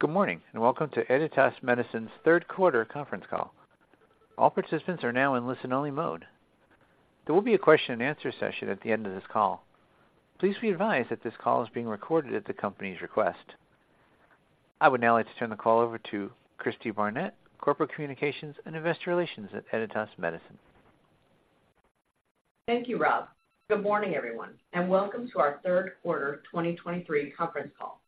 Good morning, and welcome to Editas Medicine's Third Quarter Conference Call. All participants are now in listen-only mode. There will be a question and answer session at the end of this call. Please be advised that this call is being recorded at the company's request. I would now like to turn the call over to Cristi Barnett, Corporate Communications and Investor Relations at Editas Medicine. Thank you, Rob. Good morning, everyone, and welcome to our Third Quarter 2023 Conference Call.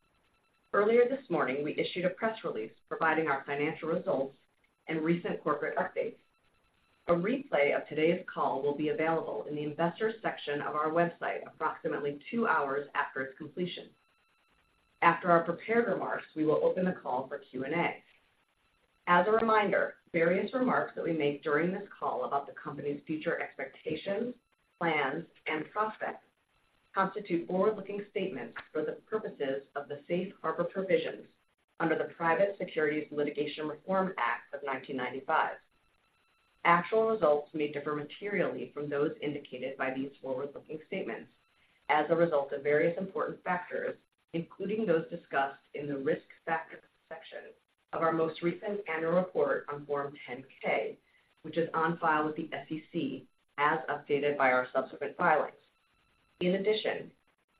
Earlier this morning, we issued a press release providing our financial results and recent corporate updates. A replay of today's call will be available in the Investors section of our website approximately 2 hours after its completion. After our prepared remarks, we will open the call for Q&A. As a reminder, various remarks that we make during this call about the company's future expectations, plans, and prospects constitute forward-looking statements for the purposes of the Safe Harbor Provisions under the Private Securities Litigation Reform Act of 1995. Actual results may differ materially from those indicated by these forward-looking statements as a result of various important factors, including those discussed in the Risk Factor section of our most recent annual report on Form 10-K, which is on file with the SEC, as updated by our subsequent filings. In addition,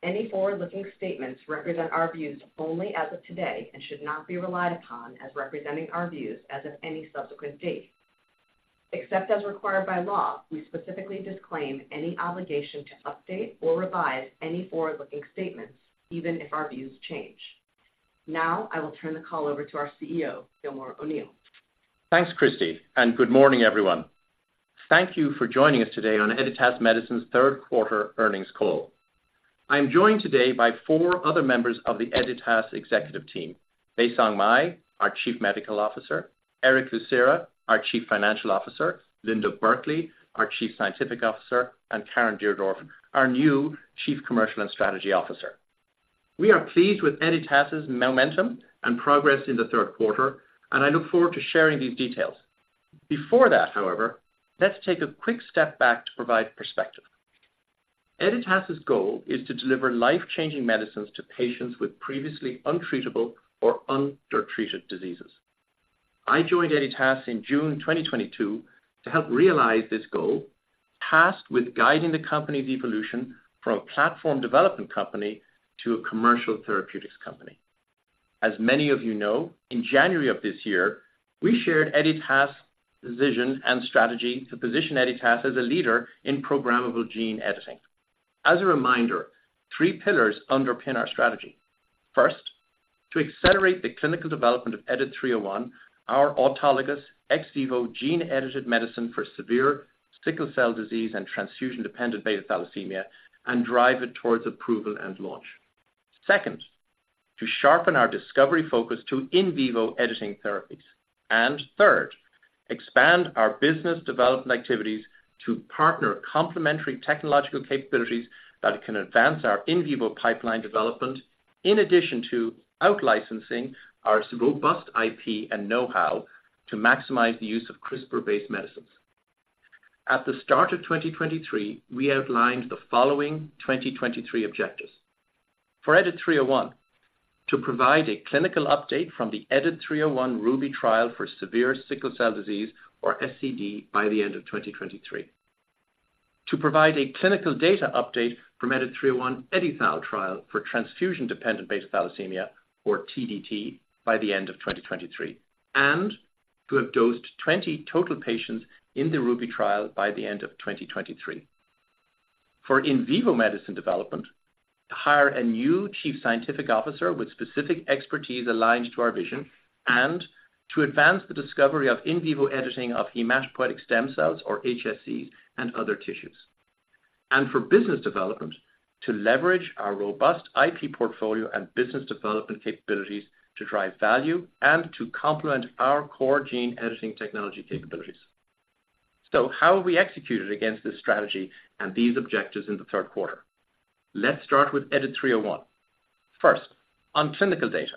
any forward-looking statements represent our views only as of today and should not be relied upon as representing our views as of any subsequent date. Except as required by law, we specifically disclaim any obligation to update or revise any forward-looking statements, even if our views change. Now, I will turn the call over to our CEO, Gilmore O’Neill. Thanks, Cristi, and good morning, everyone. Thank you for joining us today on Editas Medicine's third quarter earnings call. I'm joined today by four other members of the Editas executive team: Baisong Mei, our Chief Medical Officer, Erick Lucera, our Chief Financial Officer, Linda C. Burkly, our Chief Scientific Officer, and Caren Deardorf, our new Chief Commercial and Strategy Officer. We are pleased with Editas' momentum and progress in the third quarter, and I look forward to sharing these details. Before that, however, let's take a quick step back to provide perspective. Editas' goal is to deliver life-changing medicines to patients with previously untreatable or undertreated diseases. I joined Editas in June 2022 to help realize this goal, tasked with guiding the company's evolution from a platform development company to a commercial therapeutics company. As many of you know, in January of this year, we shared Editas' vision and strategy to position Editas as a leader in programmable gene editing. As a reminder, three pillars underpin our strategy. First, to accelerate the clinical development of EDIT-301, our autologous ex vivo gene-edited medicine for severe sickle cell disease and transfusion-dependent beta thalassemia, and drive it towards approval and launch. Second, to sharpen our discovery focus to in vivo editing therapies. And third, expand our business development activities to partner complementary technological capabilities that can advance our in vivo pipeline development, in addition to out-licensing our robust IP and know-how to maximize the use of CRISPR-based medicines. At the start of 2023, we outlined the following 2023 objectives: For EDIT-301, to provide a clinical update from the EDIT-301 RUBY trial for severe sickle cell disease, or SCD, by the end of 2023. To provide a clinical data update from the EDIT-301 EdiTHAL trial for transfusion-dependent beta thalassemia, or TDT, by the end of 2023, and to have dosed 20 total patients in the RUBY trial by the end of 2023. For in vivo medicine development, to hire a new chief scientific officer with specific expertise aligned to our vision, and to advance the discovery of in vivo editing of hematopoietic stem cells, or HSCs, and other tissues. For business development, to leverage our robust IP portfolio and business development capabilities to drive value and to complement our core gene editing technology capabilities. So how have we executed against this strategy and these objectives in the third quarter? Let's start with EDIT-301. First, on clinical data,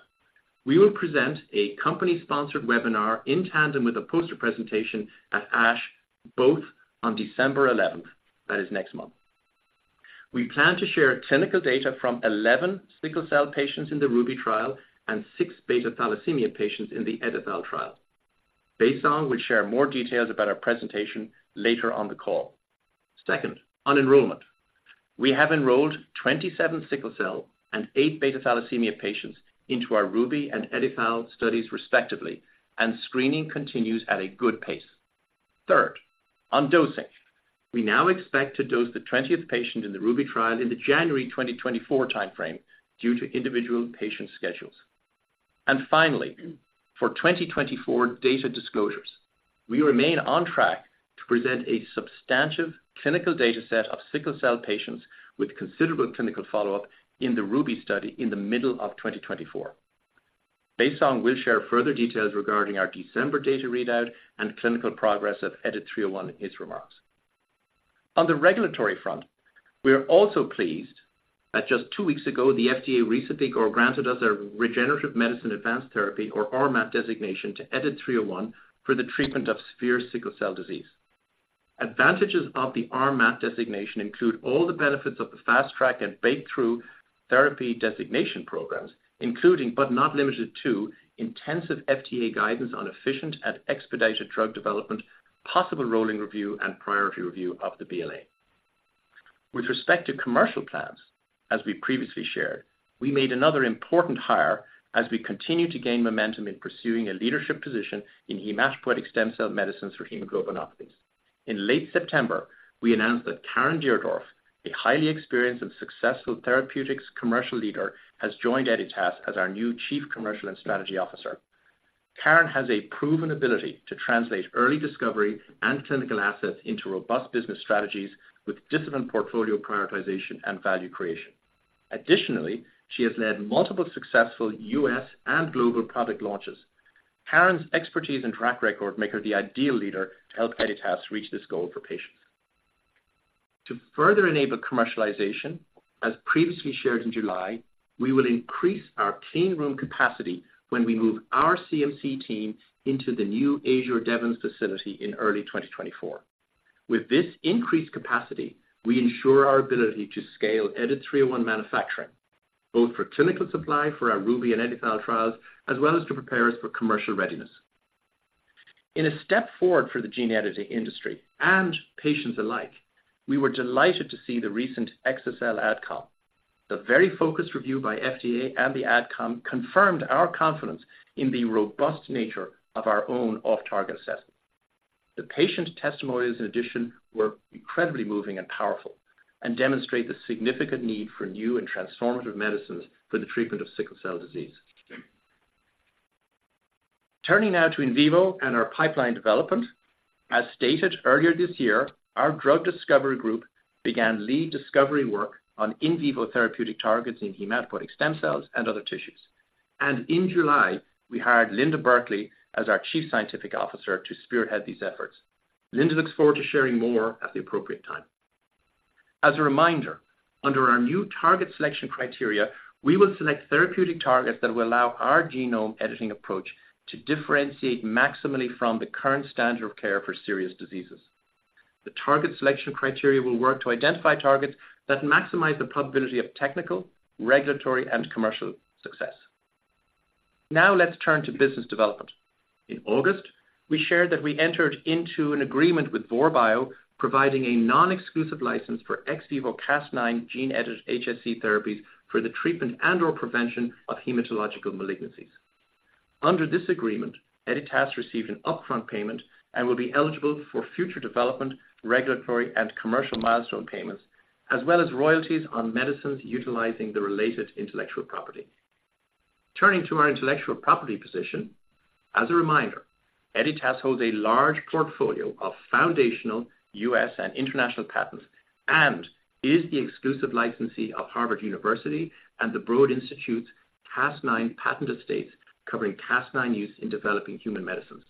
we will present a company-sponsored webinar in tandem with a poster presentation at ASH, both on December 11. That is next month. We plan to share clinical data from 11 sickle cell patients in the RUBY trial and 6 beta thalassemia patients in the EdiTHAL trial. Baisong will share more details about our presentation later on the call. Second, on enrollment. We have enrolled 27 sickle cell and 8 beta thalassemia patients into our RUBY and Editas studies, respectively, and screening continues at a good pace. Third, on dosing. We now expect to dose the 20th patient in the RUBY trial in the January 2024 timeframe due to individual patient schedules. And finally, for 2024 data disclosures, we remain on track to present a substantive clinical data set of sickle cell patients with considerable clinical follow-up in the RUBY study in the middle of 2024. Baisong will share further details regarding our December data readout and clinical progress of EDIT-301 in his remarks. On the regulatory front, we are also pleased that just 2 weeks ago, the FDA recently granted us a Regenerative Medicine Advanced Therapy, or RMAT designation, to EDIT-301 for the treatment of severe sickle cell disease. Advantages of the RMAT designation include all the benefits of the Fast Track and Breakthrough Therapy Designation programs, including, but not limited to, intensive FDA guidance on efficient and expedited drug development, possible rolling review, and priority review of the BLA. With respect to commercial plans, as we previously shared, we made another important hire as we continue to gain momentum in pursuing a leadership position in hematopoietic stem cell medicines for hemoglobinopathies. In late September, we announced that Caren Deardorf, a highly experienced and successful therapeutics commercial leader, has joined Editas as our new Chief Commercial and Strategy Officer. Caren has a proven ability to translate early discovery and clinical assets into robust business strategies with disciplined portfolio prioritization and value creation. Additionally, she has led multiple successful U.S. and global product launches. Caren's expertise and track record make her the ideal leader to help Editas reach this goal for patients. To further enable commercialization, as previously shared in July, we will increase our clean room capacity when we move our CMC team into the new Azzur Devens facility in early 2024. With this increased capacity, we ensure our ability to scale EDIT-301 manufacturing, both for clinical supply for our RUBY and EdiTHAL trials, as well as to prepare us for commercial readiness. In a step forward for the gene editing industry and patients alike, we were delighted to see the recent exa-cel AdCom. The very focused review by FDA and the AdCom confirmed our confidence in the robust nature of our own off-target assessment. The patient testimonials, in addition, were incredibly moving and powerful, and demonstrate the significant need for new and transformative medicines for the treatment of sickle cell disease. Turning now to in vivo and our pipeline development. As stated earlier this year, our drug discovery group began lead discovery work on in vivo therapeutic targets in hematopoietic stem cells and other tissues. In July, we hired Linda C. Burkly as our Chief Scientific Officer to spearhead these efforts. Linda looks forward to sharing more at the appropriate time. As a reminder, under our new target selection criteria, we will select therapeutic targets that will allow our genome editing approach to differentiate maximally from the current standard of care for serious diseases. The target selection criteria will work to identify targets that maximize the probability of technical, regulatory, and commercial success. Now let's turn to business development. In August, we shared that we entered into an agreement with Vor Bio, providing a non-exclusive license for ex vivo Cas9 gene-edited HSC therapies for the treatment and/or prevention of hematological malignancies. Under this agreement, Editas received an upfront payment and will be eligible for future development, regulatory, and commercial milestone payments, as well as royalties on medicines utilizing the related intellectual property. Turning to our intellectual property position, as a reminder, Editas holds a large portfolio of foundational U.S. and international patents, and is the exclusive licensee of Harvard University and the Broad Institute's Cas9 patent estates, covering Cas9 use in developing human medicines.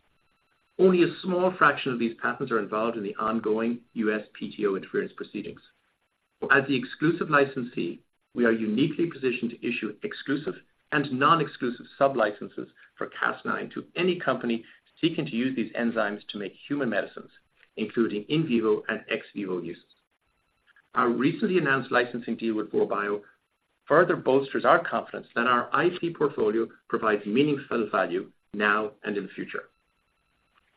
Only a small fraction of these patents are involved in the ongoing USPTO interference proceedings. As the exclusive licensee, we are uniquely positioned to issue exclusive and non-exclusive sublicenses for Cas9 to any company seeking to use these enzymes to make human medicines, including in vivo and ex vivo uses. Our recently announced licensing deal with Vor Bio further bolsters our confidence that our IP portfolio provides meaningful value now and in the future.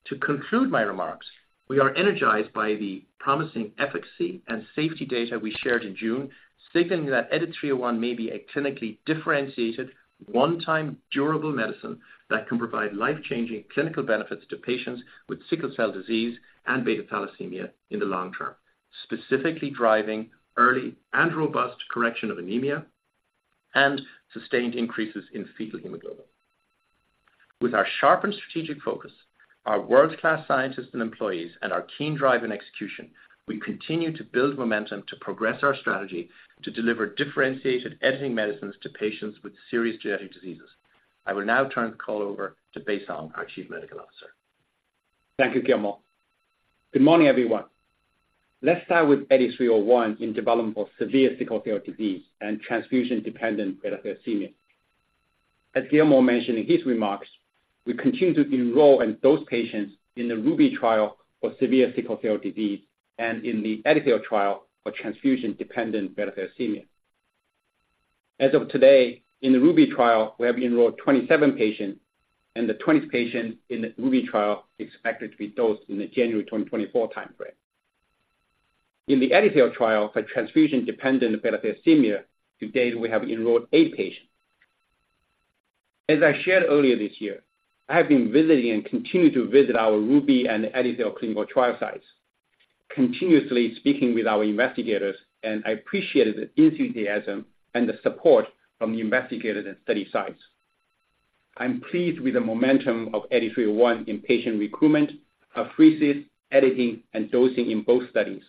To conclude my remarks, we are energized by the promising efficacy and safety data we shared in June, signaling that EDIT-301 may be a clinically differentiated, one-time, durable medicine that can provide life-changing clinical benefits to patients with sickle cell disease and beta thalassemia in the long term, specifically driving early and robust correction of anemia and sustained increases in fetal hemoglobin. With our sharpened strategic focus, our world-class scientists and employees, and our keen drive and execution, we continue to build momentum to progress our strategy to deliver differentiated editing medicines to patients with serious genetic diseases. I will now turn the call over to Baisong Mei, our Chief Medical Officer. Thank you, Gilmore. Good morning, everyone. Let's start with EDIT-301 in development for severe sickle cell disease and transfusion-dependent beta thalassemia. As Gilmore mentioned in his remarks, we continue to enroll in those patients in the RUBY trial for severe sickle cell disease and in the EdiTHAL trial for transfusion-dependent beta thalassemia. As of today, in the RUBY trial, we have enrolled 27 patients, and the 20th patient in the RUBY trial is expected to be dosed in the January 2024 timeframe. In the EdiTHAL trial for transfusion-dependent beta thalassemia, to date, we have enrolled 8 patients. As I shared earlier this year, I have been visiting and continue to visit our RUBY and EdiTHAL clinical trial sites, continuously speaking with our investigators, and I appreciate the enthusiasm and the support from the investigators and study sites. I'm pleased with the momentum of EDIT-301 in patient recruitment, apheresis, editing, and dosing in both studies.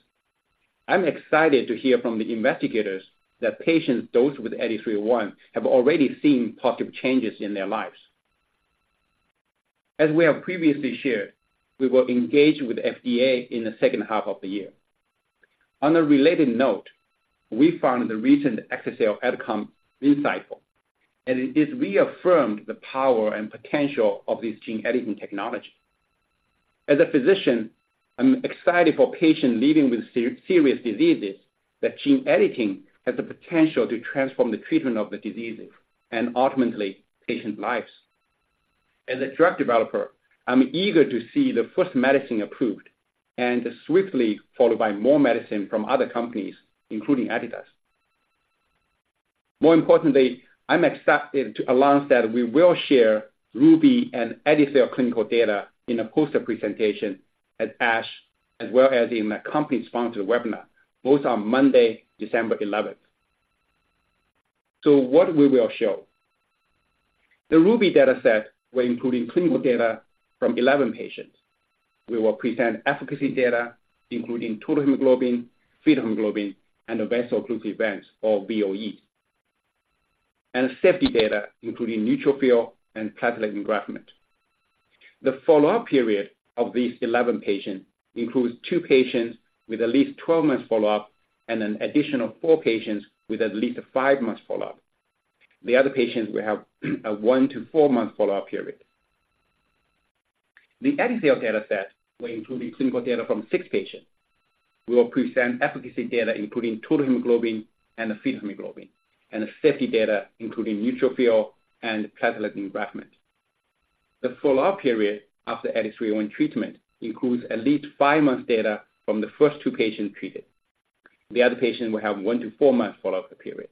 I'm excited to hear from the investigators that patients dosed with EDIT-301 have already seen positive changes in their lives. As we have previously shared, we will engage with FDA in the second half of the year. On a related note, we found the recent exa-cel outcome insightful, and it has reaffirmed the power and potential of this gene editing technology. As a physician, I'm excited for patients living with serious diseases, that gene editing has the potential to transform the treatment of the diseases and ultimately patient lives. As a drug developer, I'm eager to see the first medicine approved and swiftly followed by more medicine from other companies, including Editas. More importantly, I'm excited to announce that we will share RUBY and Edit-Cell clinical data in a poster presentation at ASH, as well as in a company-sponsored webinar, both on Monday, December 11. So what we will show? The RUBY dataset will include clinical data from 11 patients. We will present efficacy data, including total hemoglobin, fetal hemoglobin, and the vaso-occlusive events, or VOE. Safety data, including neutrophil and platelet engraftment. The follow-up period of these 11 patients includes 2 patients with at least 12 months follow-up and an additional 4 patients with at least a 5-month follow-up. The other patients will have a 1- to 4-month follow-up period. The Edit-Cell dataset will include clinical data from 6 patients. We will present efficacy data, including total hemoglobin and the fetal hemoglobin, and safety data, including neutrophil and platelet engraftment. The follow-up period after EDIT-301 treatment includes at least 5 months data from the first two patients treated. The other patients will have 1-4 months follow-up period.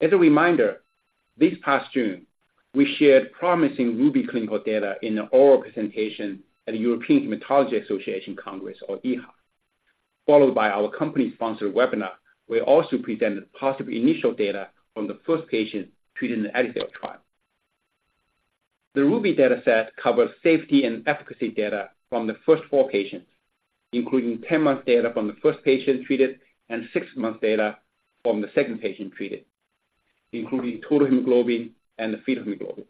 As a reminder, this past June, we shared promising RUBY clinical data in an oral presentation at the European Hematology Association Congress or EHA, followed by our company-sponsored webinar. We also presented positive initial data from the first patient treated in the Edit-Cell trial. The RUBY dataset covers safety and efficacy data from the first four patients, including 10 months data from the first patient treated and 6 months data from the second patient treated, including total hemoglobin and the fetal hemoglobin.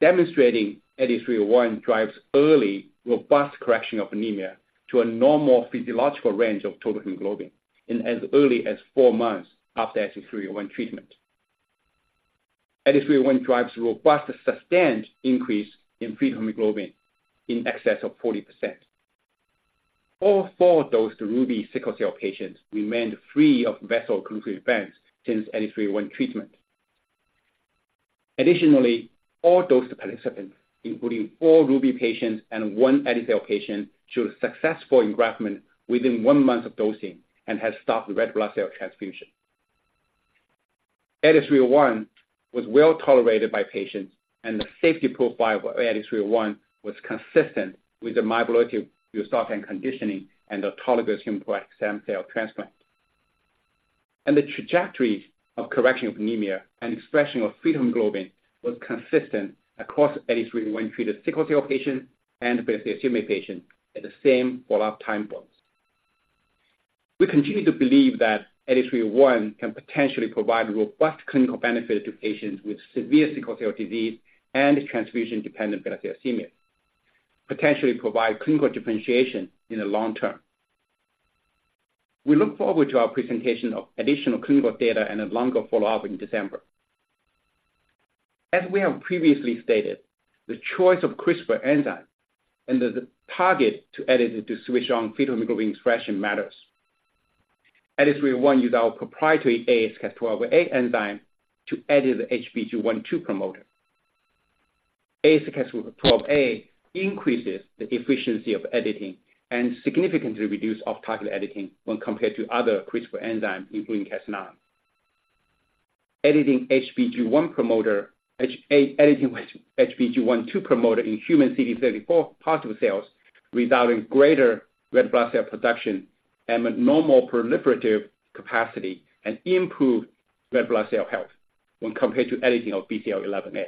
Demonstrating EDIT-301 drives early, robust correction of anemia to a normal physiological range of total hemoglobin in as early as 4 months after EDIT-301 treatment. EDIT-301 drives robust, sustained increase in fetal hemoglobin in excess of 40%. All four dosed RUBY sickle cell patients remained free of vaso-occlusive events since EDIT-301 treatment. Additionally, all dosed participants, including four RUBY patients and one Edit-Cell patient, showed a successful engraftment within one month of dosing and has stopped red blood cell transfusion. EDIT-301 was well tolerated by patients, and the safety profile of EDIT-301 was consistent with the myeloablative busulfan conditioning and the autologous hematopoietic stem cell transplant. The trajectory of correction of anemia and expression of fetal hemoglobin was consistent across EDIT-301-treated sickle cell patients and beta thalassemia patients at the same follow-up time points. We continue to believe that EDIT-301 can potentially provide robust clinical benefit to patients with severe sickle cell disease and transfusion-dependent thalassemia, potentially provide clinical differentiation in the long term. We look forward to our presentation of additional clinical data and a longer follow-up in December. As we have previously stated, the choice of CRISPR enzyme and the target to edit it to switch on fetal hemoglobin expression matters. EDIT-301 uses our proprietary AsCas12a enzyme to edit the HBG1-2 promoter. AsCas12a increases the efficiency of editing and significantly reduces off-target editing when compared to other CRISPR enzymes, including Cas9. Editing HBG1-2 promoter in human CD34 positive cells, resulting in greater red blood cell production and with normal proliferative capacity and improved red blood cell health when compared to editing of BCL11A.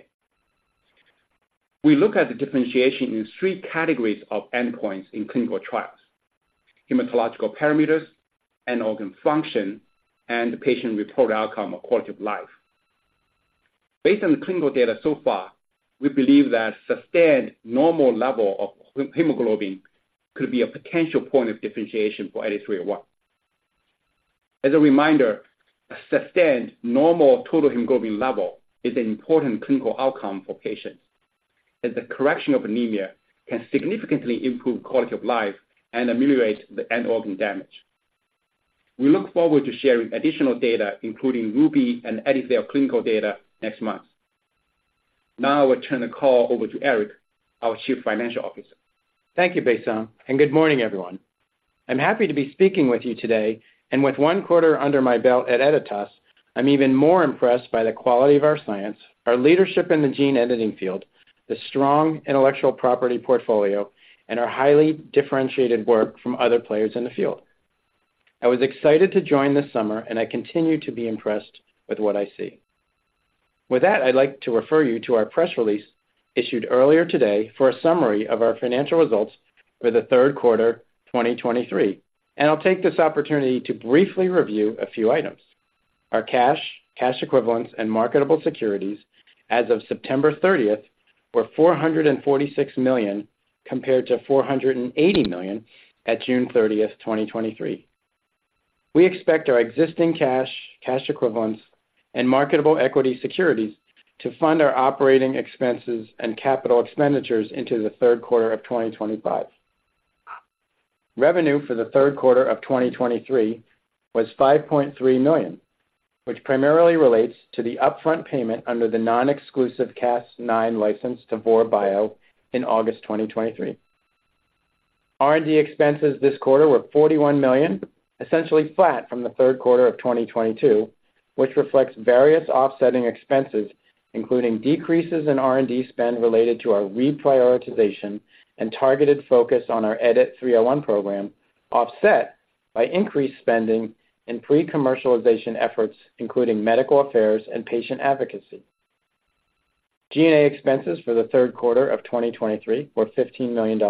We look at the differentiation in three categories of endpoints in clinical trials: hematological parameters, end organ function, and patient-reported outcome or quality of life. Based on the clinical data so far, we believe that sustained normal level of hemoglobin could be a potential point of differentiation for EDIT-301. As a reminder, a sustained normal total hemoglobin level is an important clinical outcome for patients, as the correction of anemia can significantly improve quality of life and ameliorate the end organ damage. We look forward to sharing additional data, including RUBY and Edit-Cell clinical data, next month. Now I will turn the call over to Erick, our Chief Financial Officer. Thank you, Baisong, and good morning, everyone. I'm happy to be speaking with you today, and with one quarter under my belt at Editas, I'm even more impressed by the quality of our science, our leadership in the gene editing field, the strong intellectual property portfolio, and our highly differentiated work from other players in the field. I was excited to join this summer, and I continue to be impressed with what I see. With that, I'd like to refer you to our press release issued earlier today for a summary of our financial results for the third quarter 2023, and I'll take this opportunity to briefly review a few items. Our cash, cash equivalents, and marketable securities as of September 30, were $446 million, compared to $480 million at June 30, 2023. We expect our existing cash, cash equivalents, and marketable equity securities to fund our operating expenses and capital expenditures into the third quarter of 2025. Revenue for the third quarter of 2023 was $5.3 million, which primarily relates to the upfront payment under the non-exclusive Cas9 license to Vor Bio in August 2023. R&D expenses this quarter were $41 million, essentially flat from the third quarter of 2022, which reflects various offsetting expenses, including decreases in R&D spend related to our reprioritization and targeted focus on our EDIT-301 program, offset by increased spending in pre-commercialization efforts, including medical affairs and patient advocacy. G&A expenses for the third quarter of 2023 were $15 million,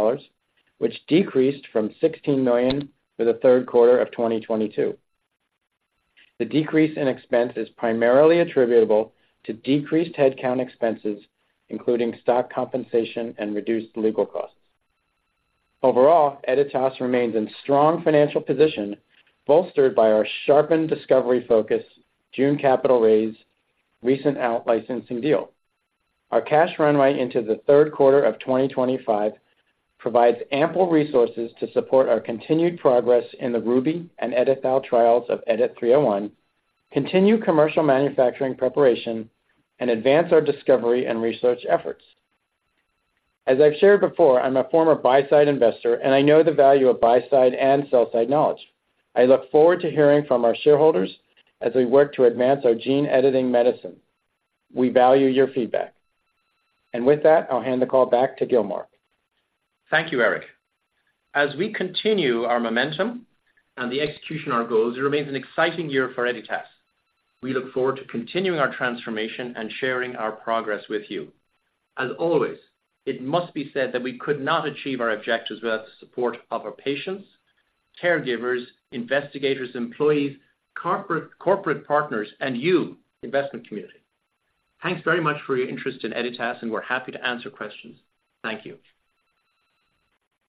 which decreased from $16 million for the third quarter of 2022. The decrease in expense is primarily attributable to decreased headcount expenses, including stock compensation and reduced legal costs. Overall, Editas remains in strong financial position, bolstered by our sharpened discovery focus, June capital raise, recent out-licensing deal. Our cash runway into the third quarter of 2025 provides ample resources to support our continued progress in the RUBY and EdiTHAL trials of EDIT-301, continue commercial manufacturing preparation, and advance our discovery and research efforts. As I've shared before, I'm a former buy-side investor, and I know the value of buy-side and sell-side knowledge. I look forward to hearing from our shareholders as we work to advance our gene editing medicine. We value your feedback. And with that, I'll hand the call back to Gilmore. Thank you, Erick. As we continue our momentum and the execution of our goals, it remains an exciting year for Editas. We look forward to continuing our transformation and sharing our progress with you. As always, it must be said that we could not achieve our objectives without the support of our patients, caregivers, investigators, employees, corporate, corporate partners, and you, investment community. Thanks very much for your interest in Editas, and we're happy to answer questions. Thank you.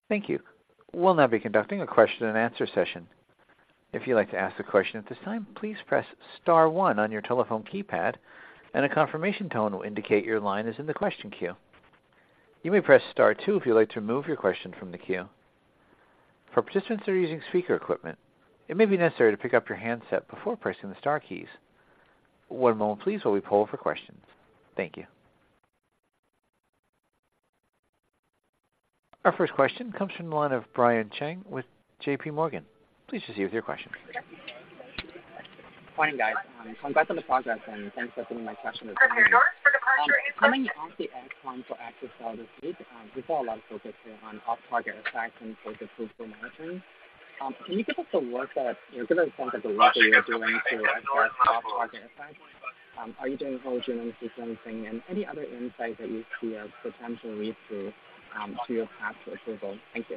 Thank you. We'll now be conducting a question and answer session. If you'd like to ask a question at this time, please press star one on your telephone keypad, and a confirmation tone will indicate your line is in the question queue. You may press star two if you'd like to remove your question from the queue. For participants that are using speaker equipment, it may be necessary to pick up your handset before pressing the star keys. One moment please, while we poll for questions. Thank you. Our first question comes from the line of Brian Cheng with JPMorgan. Please proceed with your question. Morning, guys. Congrats on the progress and thanks for taking my question this morning. Coming in off the AdCom for exa-cel this week, we saw a lot of focus here on off-target effects and focus on monitoring. Can you give us a look at, or give us a sense of the work that you're doing to address off-target effects? Are you doing whole genome sequencing, and any other insight that you see as potential read-through to your path to approval? Thank you.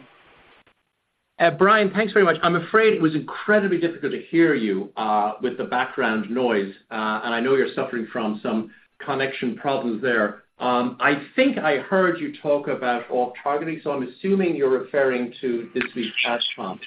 Brian, thanks very much. I'm afraid it was incredibly difficult to hear you, with the background noise, and I know you're suffering from some connection problems there. I think I heard you talk about off-targeting, so I'm assuming you're referring to this week's AdCom.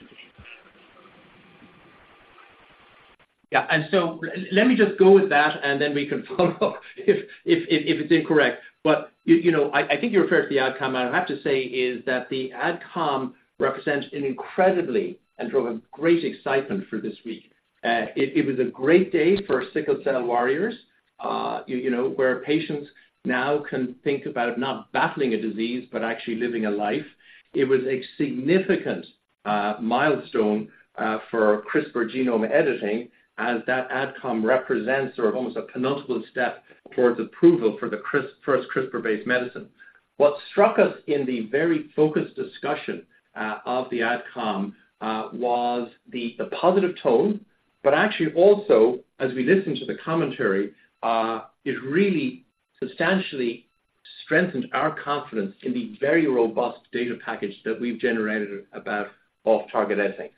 Yeah, and so let me just go with that, and then we can follow up if it's incorrect. But you know, I think you referred to the outcome, and I have to say, is that the AdCom represents an incredibly and drove a great excitement for this week. It was a great day for sickle cell warriors, you know, where patients now can think about not battling a disease, but actually living a life. It was a significant milestone for CRISPR genome editing, as that AdCom represents or almost a penultimate step towards approval for the first CRISPR-based medicine. What struck us in the very focused discussion of the AdCom was the positive tone, but actually also, as we listened to the commentary, it really substantially strengthened our confidence in the very robust data package that we've generated about off-target editing.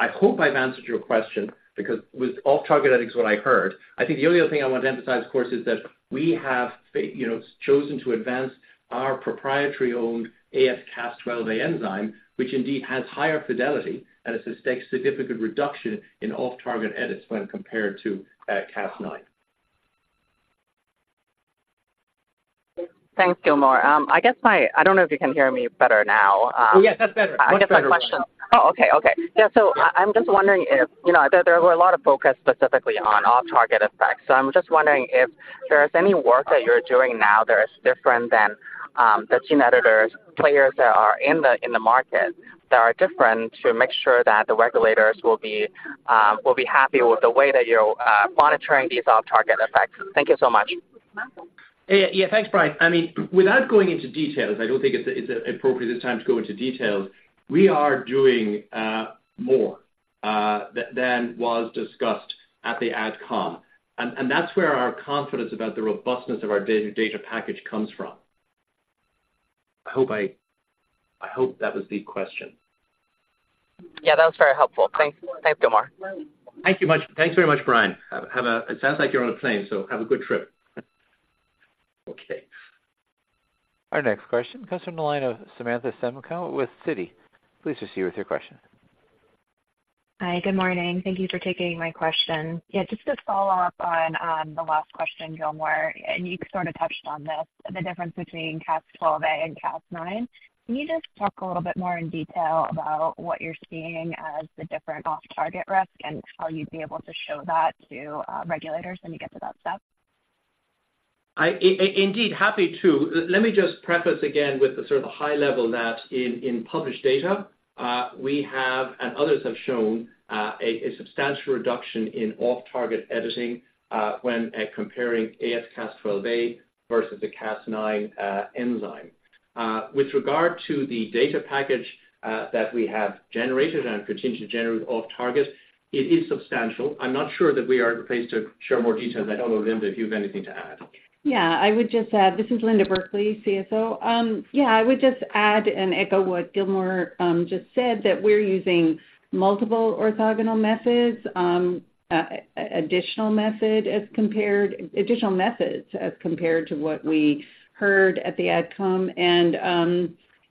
I hope I've answered your question, because with off-target editing is what I heard. I think the only other thing I want to emphasize, of course, is that we have you know, chosen to advance our proprietary-owned AsCas12a enzyme, which indeed has higher fidelity and a significant reduction in off-target edits when compared to Cas9. Thanks, Gilmore. I don't know if you can hear me better now. Oh, yes, that's better. Much better. I guess my question. Oh, okay, okay. Yeah, so I'm just wondering if, you know, there were a lot of focus specifically on off-target effects. So I'm just wondering if there is any work that you're doing now that is different than the gene editors, players that are in the market, that are different, to make sure that the regulators will be happy with the way that you're monitoring these off-target effects. Thank you so much. Yeah. Yeah, thanks, Brian. I mean, without going into details, I don't think it's appropriate at this time to go into details. We are doing more than was discussed at the AdCom, and that's where our confidence about the robustness of our data package comes from. I hope that was the question. Yeah, that was very helpful. Thanks. Thanks, Gilmore. Thank you much. Thanks very much, Brian. It sounds like you're on a plane, so have a good trip. Okay. Our next question comes from the line of Samantha Semenkow with Citi. Please proceed with your question. Hi, good morning. Thank you for taking my question. Yeah, just to follow up on, on the last question, Gilmore, and you sort of touched on this, the difference between Cas12a and Cas9. Can you just talk a little bit more in detail about what you're seeing as the different off-target risk and how you'd be able to show that to, regulators when you get to that step? I'm indeed happy to. Let me just preface again with the sort of high level that in published data we have, and others have shown a substantial reduction in off-target editing when comparing AsCas12a versus the Cas9 enzyme. With regard to the data package that we have generated and continue to generate off-target, it is substantial. I'm not sure that we are the place to share more details. I don't know, Linda, if you have anything to add. Yeah, I would just add. This is Linda Burkly, CSO. Yeah, I would just add and echo what Gilmore just said, that we're using multiple orthogonal methods, additional methods as compared to what we heard at the AdCom.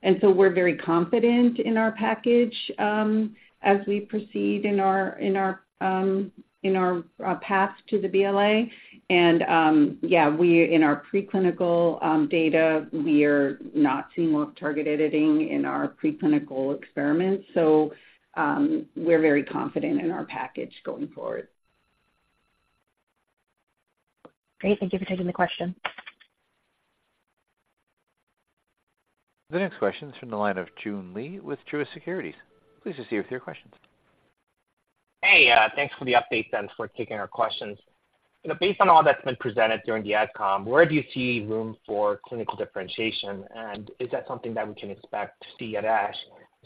And so we're very confident in our package as we proceed in our path to the BLA. And yeah, in our preclinical data, we are not seeing off-target editing in our preclinical experiments, so we're very confident in our package going forward. Great. Thank you for taking the question. The next question is from the line of Joon Lee with Truist Securities. Please proceed with your questions. Hey, thanks for the update and for taking our questions. You know, based on all that's been presented during the AdCom, where do you see room for clinical differentiation, and is that something that we can expect to see at ASH?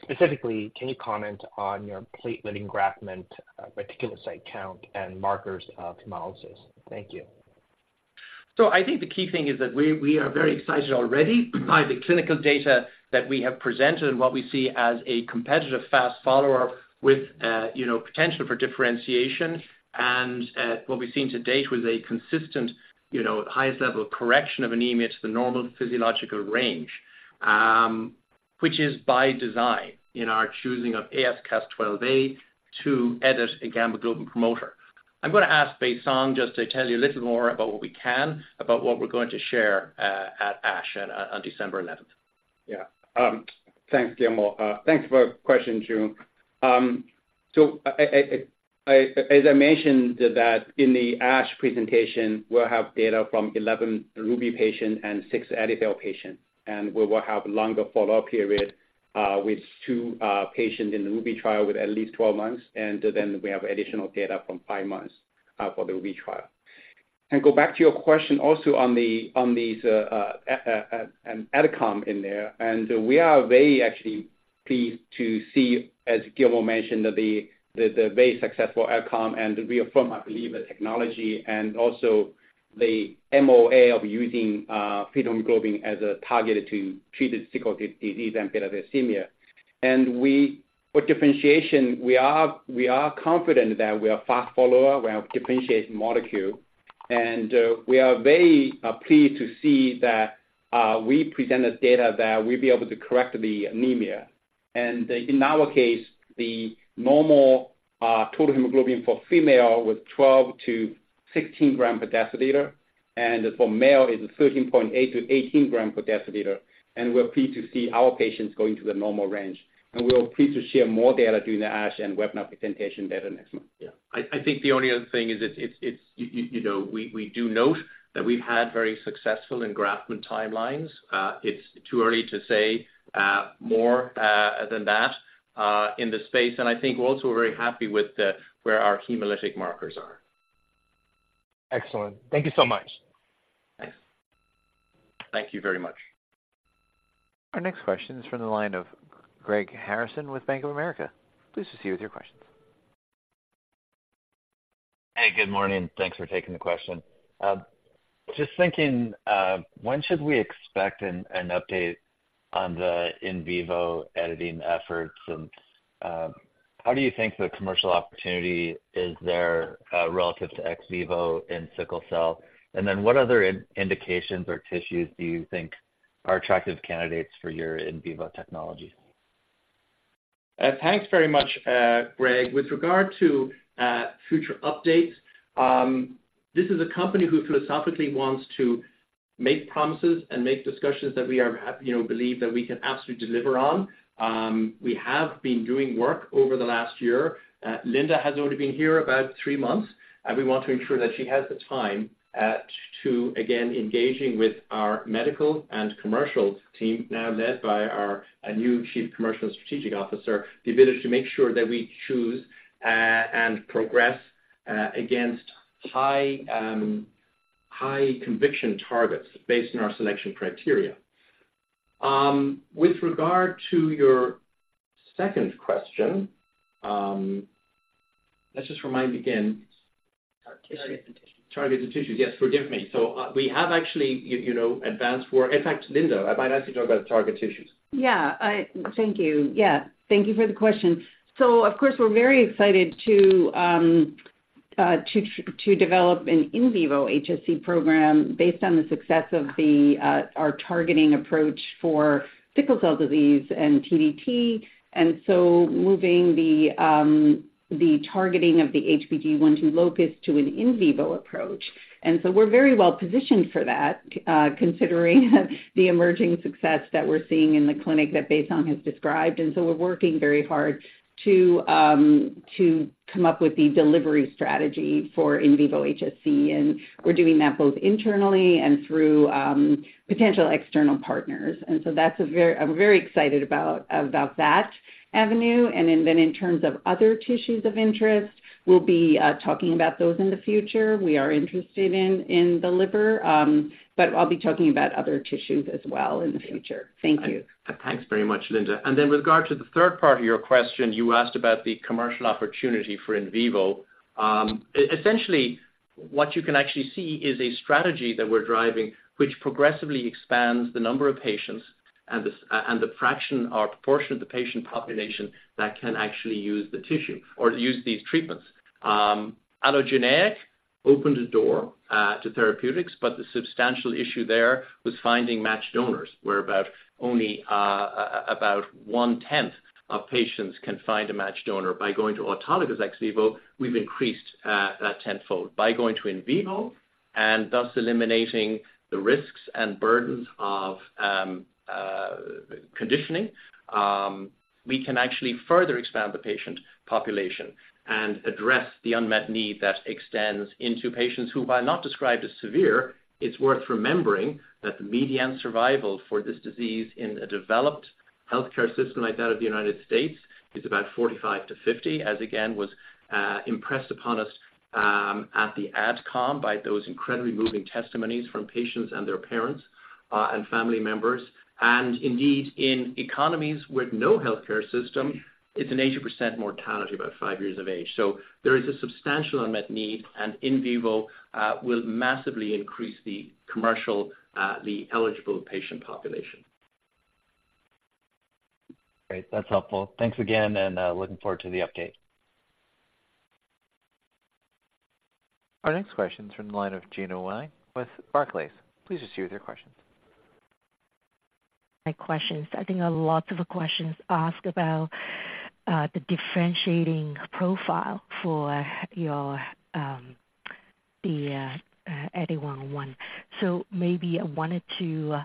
Specifically, can you comment on your platelet engraftment, reticulocyte count, and markers of hemolysis? Thank you. So I think the key thing is that we are very excited already by the clinical data that we have presented and what we see as a competitive fast follower with, you know, potential for differentiation and, what we've seen to date with a consistent, you know, highest level of correction of anemia to the normal physiological range, which is by design in our choosing of AsCas12a to edit a gamma globin promoter. I'm going to ask Baisong just to tell you a little more about what we're going to share, at ASH on December eleventh. Yeah. Thanks, Gilmore. Thanks for question, June. So as I mentioned that in the ASH presentation, we'll have data from 11 RUBY patients and 6 EDIT-301 patients, and we will have longer follow-up period with 2 patients in the RUBY trial with at least 12 months, and then we have additional data from 5 months for the RUBY trial. And go back to your question also on the, on these, AdCom in there, and we are very actually pleased to see, as Gilmore mentioned, that the very successful AdCom and reaffirm, I believe, the technology and also the MOA of using fetal hemoglobin as a target to treat the sickle disease and beta thalassemia. For differentiation, we are, we are confident that we are fast follower, we have differentiated molecule, and we are very pleased to see that we presented data that we'll be able to correct the anemia. And in our case, the normal total hemoglobin for female with 12-16 gram per deciliter, and for male, it's 13.8-18 gram per deciliter, and we're pleased to see our patients going to the normal range. And we're pleased to share more data during the ASH and webinar presentation data next month. Yeah. I think the only other thing is it's, you know, we do note that we've had very successful engraftment timelines. It's too early to say more than that in this space. And I think we're also very happy with where our hemolytic markers are. Excellent. Thank you so much. Thanks. Thank you very much. Our next question is from the line of Greg Harrison with Bank of America. Please proceed with your questions. Hey, good morning. Thanks for taking the question. Just thinking, when should we expect an update on the in vivo editing efforts? And, how do you think the commercial opportunity is there, relative to ex vivo in sickle cell? And then, what other indications or tissues do you think are attractive candidates for your in vivo technology? Thanks very much, Greg. With regard to future updates, this is a company who philosophically wants to make promises and make discussions that we are, you know, believe that we can absolutely deliver on. We have been doing work over the last year. Linda has only been here about three months, and we want to ensure that she has the time to, again, engaging with our medical and commercial team, now led by our new Chief Commercial Strategic Officer, the ability to make sure that we choose and progress against high high conviction targets based on our selection criteria. With regard to your second question. Let's just remind again. Targeted tissues. Targeted tissues. Yes, forgive me. So, we have actually, you know, advanced work. In fact, Linda, I might ask you to talk about target tissues. Yeah, thank you. Yeah, thank you for the question. So of course, we're very excited to develop an in vivo HSC program based on the success of our targeting approach for sickle cell disease and TDT, and so moving the targeting of the HBG1-2 locus to an in vivo approach. And so we're very well positioned for that, considering the emerging success that we're seeing in the clinic that Baisong has described. And so we're working very hard to come up with the delivery strategy for in vivo HSC, and we're doing that both internally and through potential external partners. And so that's a very. I'm very excited about that avenue. And then in terms of other tissues of interest, we'll be talking about those in the future. We are interested in, in the liver, but I'll be talking about other tissues as well in the future. Thank you. Thanks very much, Linda. Then with regard to the third part of your question, you asked about the commercial opportunity for in vivo. Essentially, what you can actually see is a strategy that we're driving, which progressively expands the number of patients and the fraction or proportion of the patient population that can actually use the tissue or use these treatments. Allogeneic opened the door to therapeutics, but the substantial issue there was finding matched donors, where about only 1/10 of patients can find a matched donor. By going to autologous ex vivo, we've increased that tenfold. By going to in vivo and thus eliminating the risks and burdens of conditioning, we can actually further expand the patient population and address the unmet need that extends into patients who, while not described as severe, it's worth remembering that the median survival for this disease in a developed healthcare system like that of the United States is about 45-50, as again was impressed upon us at the AdCom by those incredibly moving testimonies from patients and their parents and family members. And indeed, in economies with no healthcare system, it's an 80% mortality about 5 years of age. So there is a substantial unmet need, and in vivo will massively increase the commercial the eligible patient population. Great. That's helpful. Thanks again, and looking forward to the update. Our next question is from the line of Gena Wang with Barclays. Please proceed with your questions. My questions, I think a lot of the questions asked about, the differentiating profile for your, the, EDIT-101. So maybe I wanted to,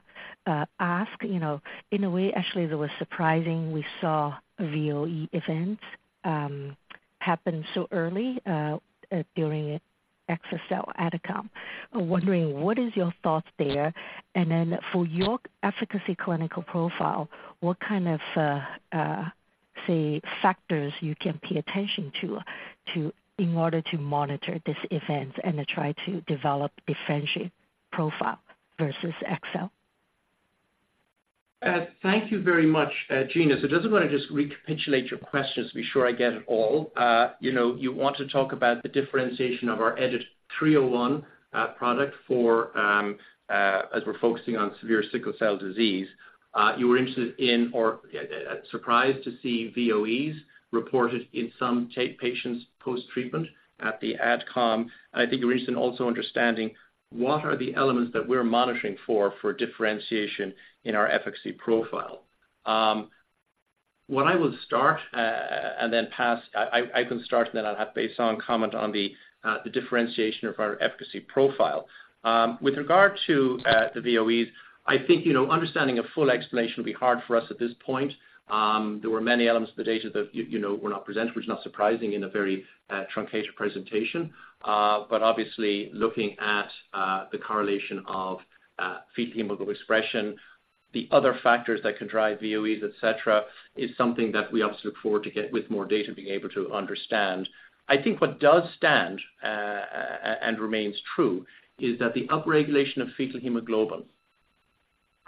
ask, you know, in a way, actually, it was surprising we saw a VOE event, happen so early, during exa-cel AdCom. I'm wondering, what is your thoughts there? And then for your efficacy clinical profile, what kind of, say, factors you can pay attention to, in order to monitor this event and to try to develop differentiate profile versus XL? Thank you very much, Gena. So just wanna just recapitulate your questions to be sure I get it all. You know, you want to talk about the differentiation of our EDIT-301 product for, as we're focusing on severe sickle cell disease. You were interested in or surprised to see VOEs reported in some type patients post-treatment at the AdCom. I think you're interested in also understanding what are the elements that we're monitoring for, for differentiation in our efficacy profile. What I will start and then pass. I can start, and then I'll have Baisong comment on the differentiation of our efficacy profile. With regard to the VOEs, I think, you know, understanding a full explanation will be hard for us at this point. There were many elements of the data that, you know, were not presented, which is not surprising in a very, truncated presentation. But obviously, looking at the correlation of fetal hemoglobin expression, the other factors that can drive VOEs, et cetera, is something that we obviously look forward to get with more data, being able to understand. I think what does stand and remains true is that the upregulation of fetal hemoglobin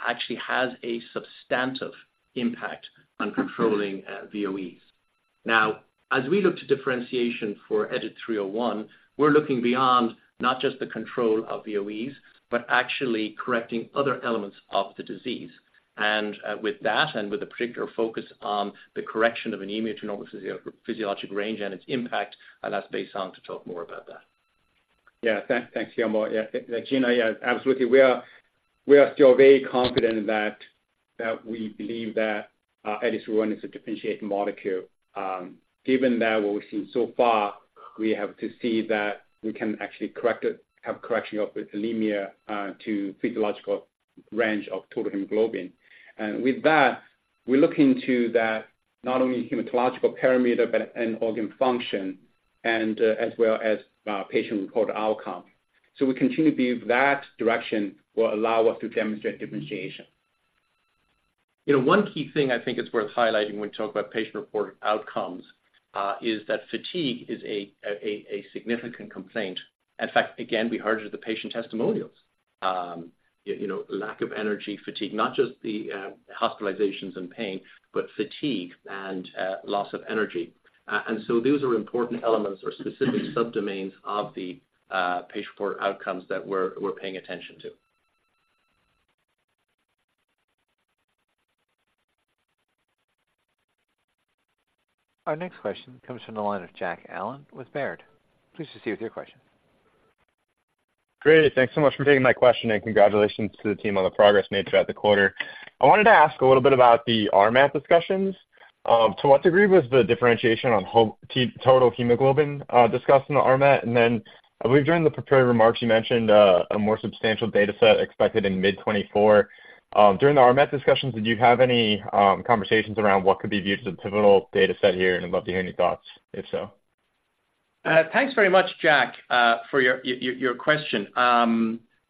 actually has a substantive impact on controlling VOEs. Now, as we look to differentiation for EDIT-301, we're looking beyond not just the control of VOEs, but actually correcting other elements of the disease. And with that, and with a particular focus on the correction of anemia to normal physiologic range and its impact, I'll ask Baisong to talk more about that. Yeah, thanks, Gilmore. Yeah, Gena, yeah, absolutely. We are still very confident that we believe that EDIT-101 is a differentiating molecule. Given what we've seen so far, we have to see that we can actually correct it, have correction of anemia to physiological range of total hemoglobin. And with that, we look into that not only hematological parameter, but end organ function and as well as patient-reported outcome. So we continue to believe that direction will allow us to demonstrate differentiation. You know, one key thing I think is worth highlighting when we talk about patient-reported outcomes, is that fatigue is a significant complaint. In fact, again, we heard it at the patient testimonials. you know, lack of energy, fatigue, not just the hospitalizations and pain, but fatigue and loss of energy. And so those are important elements or specific subdomains of the patient-reported outcomes that we're paying attention to. Our next question comes from the line of Jack Allen with Baird. Please proceed with your question. Great. Thanks so much for taking my question, and congratulations to the team on the progress made throughout the quarter. I wanted to ask a little bit about the RMAT discussions. To what degree was the differentiation on hematocrit total hemoglobin discussed in the RMAT? And then, I believe during the prepared remarks, you mentioned a more substantial data set expected in mid-2024. During the RMAT discussions, did you have any conversations around what could be viewed as a pivotal data set here? And I'd love to hear any thoughts, if so. Thanks very much, Jack, for your question.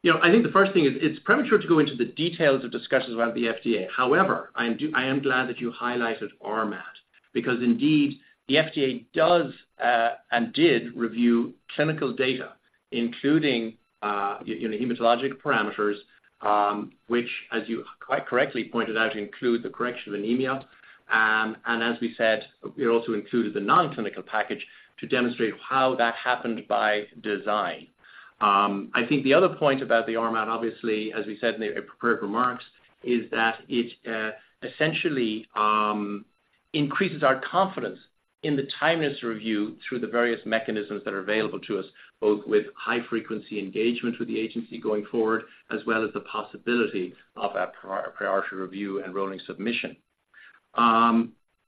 You know, I think the first thing is, it's premature to go into the details of discussions around the FDA. However, I am glad that you highlighted RMAT, because indeed, the FDA does and did review clinical data, including you know, hematologic parameters, which, as you quite correctly pointed out, include the correction of anemia. And as we said, we also included the nonclinical package to demonstrate how that happened by design. I think the other point about the RMAT, obviously, as we said in the prepared remarks, is that it essentially increases our confidence in the timeliness review through the various mechanisms that are available to us, both with high-frequency engagement with the agency going forward, as well as the possibility of a priority review and rolling submission.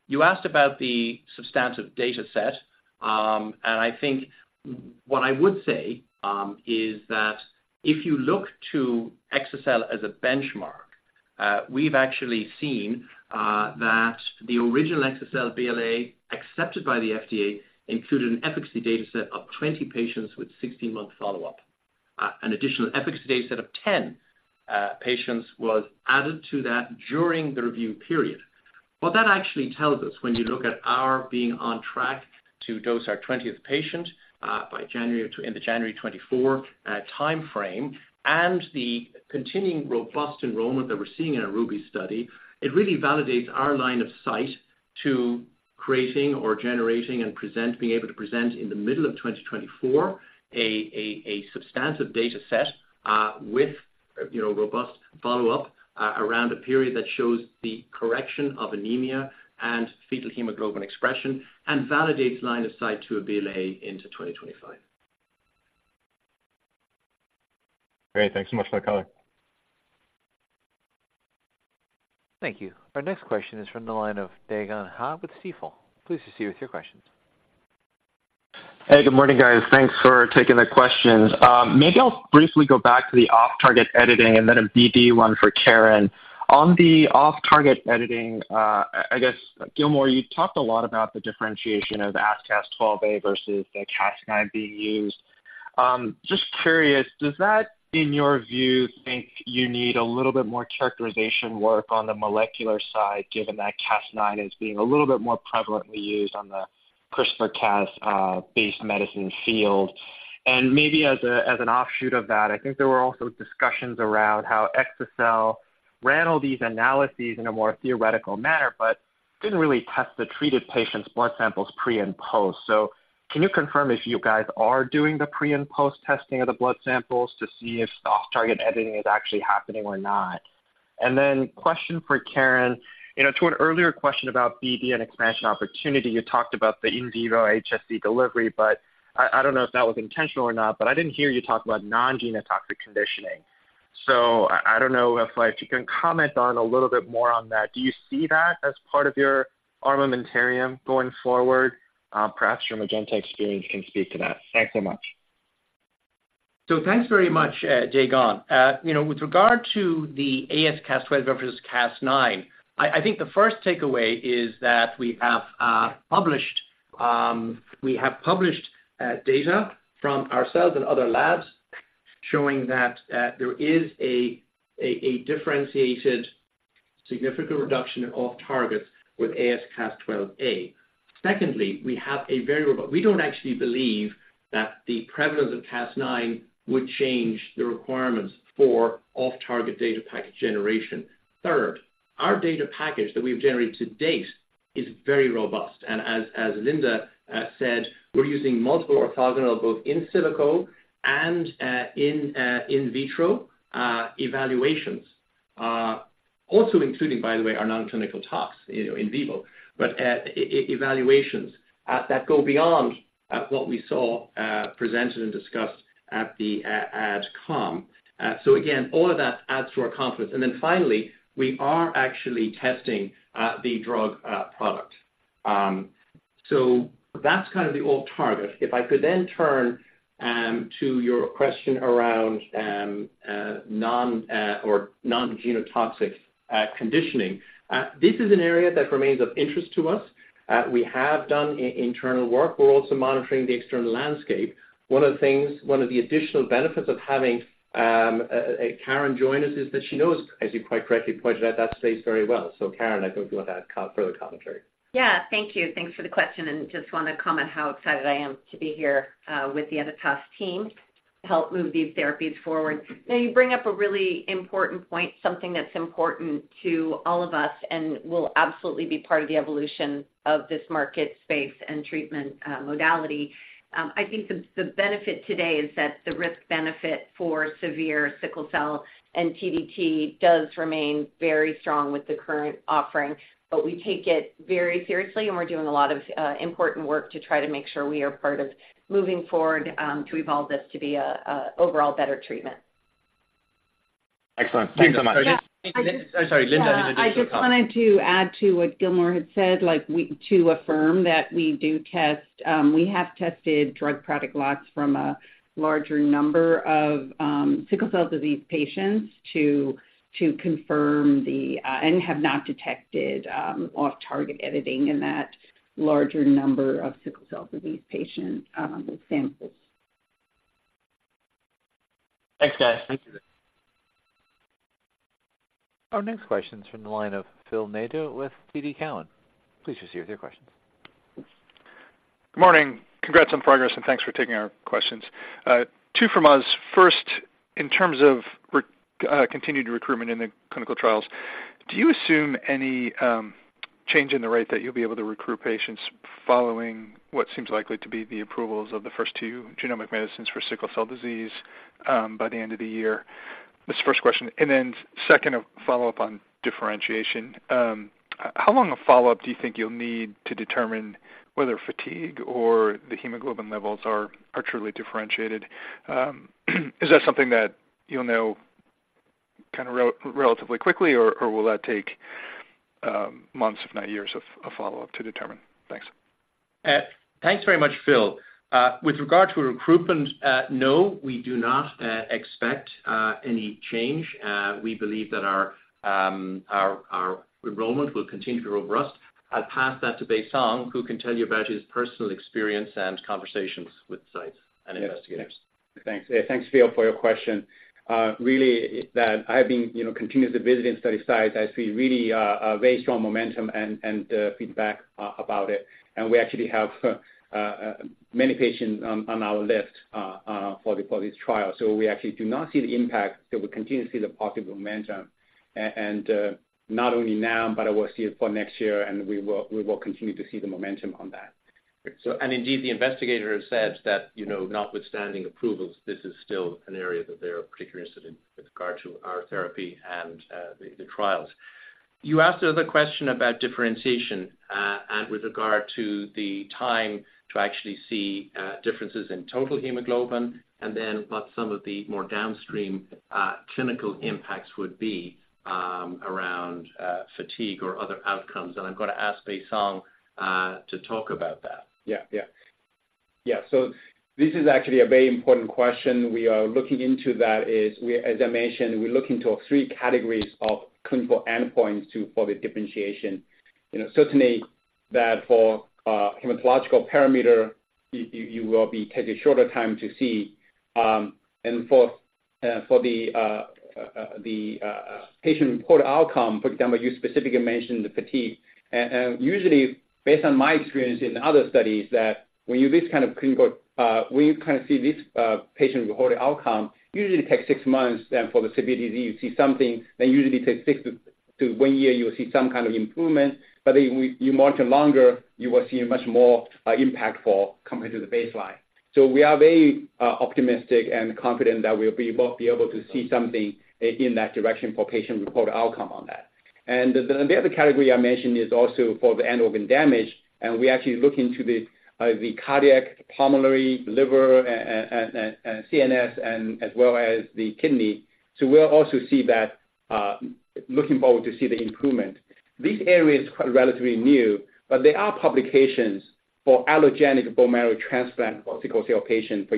You asked about the substantive data set, and I think what I would say is that if you look to exa-cel as a benchmark, we've actually seen that the original exa-cel BLA accepted by the FDA included an efficacy data set of 20 patients with 16-month follow-up. An additional efficacy data set of 10 patients was added to that during the review period. What that actually tells us when you look at our being on track to dose our 20th patient, by January, in the January 2024 time frame, and the continuing robust enrollment that we're seeing in our RUBY study, it really validates our line of sight to creating or generating and being able to present in the middle of 2024, a substantive data set, with, you know, robust follow-up, around a period that shows the correction of anemia and fetal hemoglobin expression and validates line of sight to a BLA into 2025. Great. Thanks so much for that color. Thank you. Our next question is from the line of Dae Gon Ha with Stifel. Please proceed with your questions. Hey, good morning, guys. Thanks for taking the questions. Maybe I'll briefly go back to the off-target editing and then a BD one for Caren. On the off-target editing, I guess, Gilmore, you talked a lot about the differentiation of AsCas12a versus the Cas9 being used. Just curious, does that, in your view, think you need a little bit more characterization work on the molecular side, given that Cas9 is being a little bit more prevalently used on the CRISPR-Cas based medicine field? And maybe as a, as an offshoot of that, I think there were also discussions around how exa-cel ran all these analyses in a more theoretical manner, but didn't really test the treated patients' blood samples pre- and post. So can you confirm if you guys are doing the pre- and post-testing of the blood samples to see if the off-target editing is actually happening or not? And then question for Caren, you know, to an earlier question about BD and expansion opportunity, you talked about the in vivo HSC delivery, but I don't know if that was intentional or not, but I didn't hear you talk about non-genotoxic conditioning. So I don't know if you can comment a little bit more on that. Do you see that as part of your armamentarium going forward? Perhaps your Magenta experience can speak to that. Thanks so much. So thanks very much, Dae Gon. You know, with regard to the AsCas12a versus Cas9, I think the first takeaway is that we have published data from ourselves and other labs showing that there is a differentiated significant reduction in off-targets with AsCas12a. Secondly, we have a very robust. We don't actually believe that the prevalence of Cas9 would change the requirements for off-target data package generation. Third, our data package that we've generated to date is very robust, and as Linda said, we're using multiple orthogonal, both in silico and in vitro evaluations. Also including, by the way, our nonclinical tox, you know, in vivo, but evaluations that go beyond what we saw presented and discussed at the AdCom. So again, all of that adds to our confidence. And then finally, we are actually testing the drug product. So that's kind of the off-target. If I could then turn to your question around non- or non-genotoxic conditioning. This is an area that remains of interest to us. We have done internal work. We're also monitoring the external landscape. One of the things, one of the additional benefits of having Caren join us, is that she knows, as you quite correctly pointed out, that space very well. So, Caren, I don't know if you want to add further commentary. Yeah. Thank you. Thanks for the question, and just want to comment how excited I am to be here, with the Editas team. help move these therapies forward. Now, you bring up a really important point, something that's important to all of us and will absolutely be part of the evolution of this market space and treatment modality. I think the benefit today is that the risk-benefit for severe sickle cell and TDT does remain very strong with the current offering. But we take it very seriously, and we're doing a lot of important work to try to make sure we are part of moving forward to evolve this to be an overall better treatment. Excellent. Thanks so much. Yeah, I just- I'm sorry, Linda, did you have a follow-up? I just wanted to add to what Gilmore had said, like, to affirm that we do test. We have tested drug product lots from a larger number of sickle cell disease patients to confirm, and have not detected off-target editing in that larger number of sickle cell disease patient samples. Thanks, guys. Thank you. Our next question is from the line of Phil Nadeau with TD Cowen. Please proceed with your questions. Good morning. Congrats on progress, and thanks for taking our questions. Two from us. First, in terms of continued recruitment in the clinical trials, do you assume any change in the rate that you'll be able to recruit patients following what seems likely to be the approvals of the first two genomic medicines for sickle cell disease by the end of the year? That's the first question. And then second, a follow-up on differentiation. How long a follow-up do you think you'll need to determine whether fatigue or the hemoglobin levels are truly differentiated? Is that something that you'll know kind of relatively quickly, or will that take months, if not years, of follow-up to determine? Thanks. Thanks very much, Phil. With regard to recruitment, no, we do not expect any change. We believe that our enrollment will continue to robust. I'll pass that to Baisong Mei, who can tell you about his personal experience and conversations with sites and investigators. Yes. Thanks. Yeah, thanks, Phil, for your question. Really, I've been, you know, continuously visiting study sites. I see really a very strong momentum and feedback about it. And we actually have many patients on our list for this trial. So we actually do not see the impact, but we continue to see the positive momentum. And not only now, but I will see it for next year, and we will continue to see the momentum on that. So, and indeed, the investigators said that, you know, notwithstanding approvals, this is still an area that they are particularly interested in with regard to our therapy and the trials. You asked the other question about differentiation, and with regard to the time to actually see differences in total hemoglobin, and then what some of the more downstream clinical impacts would be around fatigue or other outcomes. And I'm going to ask Baisong Mei to talk about that. Yeah, yeah. Yeah, so this is actually a very important question. We are looking into that, as I mentioned, we're looking into three categories of clinical endpoints for the differentiation. You know, certainly for hematological parameter, you will be taking a shorter time to see. And for the patient-reported outcome, for example, you specifically mentioned the fatigue. And usually, based on my experience in other studies, that when you this kind of clinical, when you kind of see this patient-reported outcome, usually it takes six months, then for the severity, you see something, then usually takes six to one year, you'll see some kind of improvement. But if you monitor longer, you will see a much more impactful compared to the baseline. So we are very optimistic and confident that we'll be both be able to see something in that direction for patient-reported outcome on that. And the other category I mentioned is also for the end organ damage, and we actually look into the cardiac, pulmonary, liver, and CNS, as well as the kidney. So we'll also see that, looking forward to see the improvement. This area is quite relatively new, but there are publications for allogeneic bone marrow transplant for sickle cell patient. For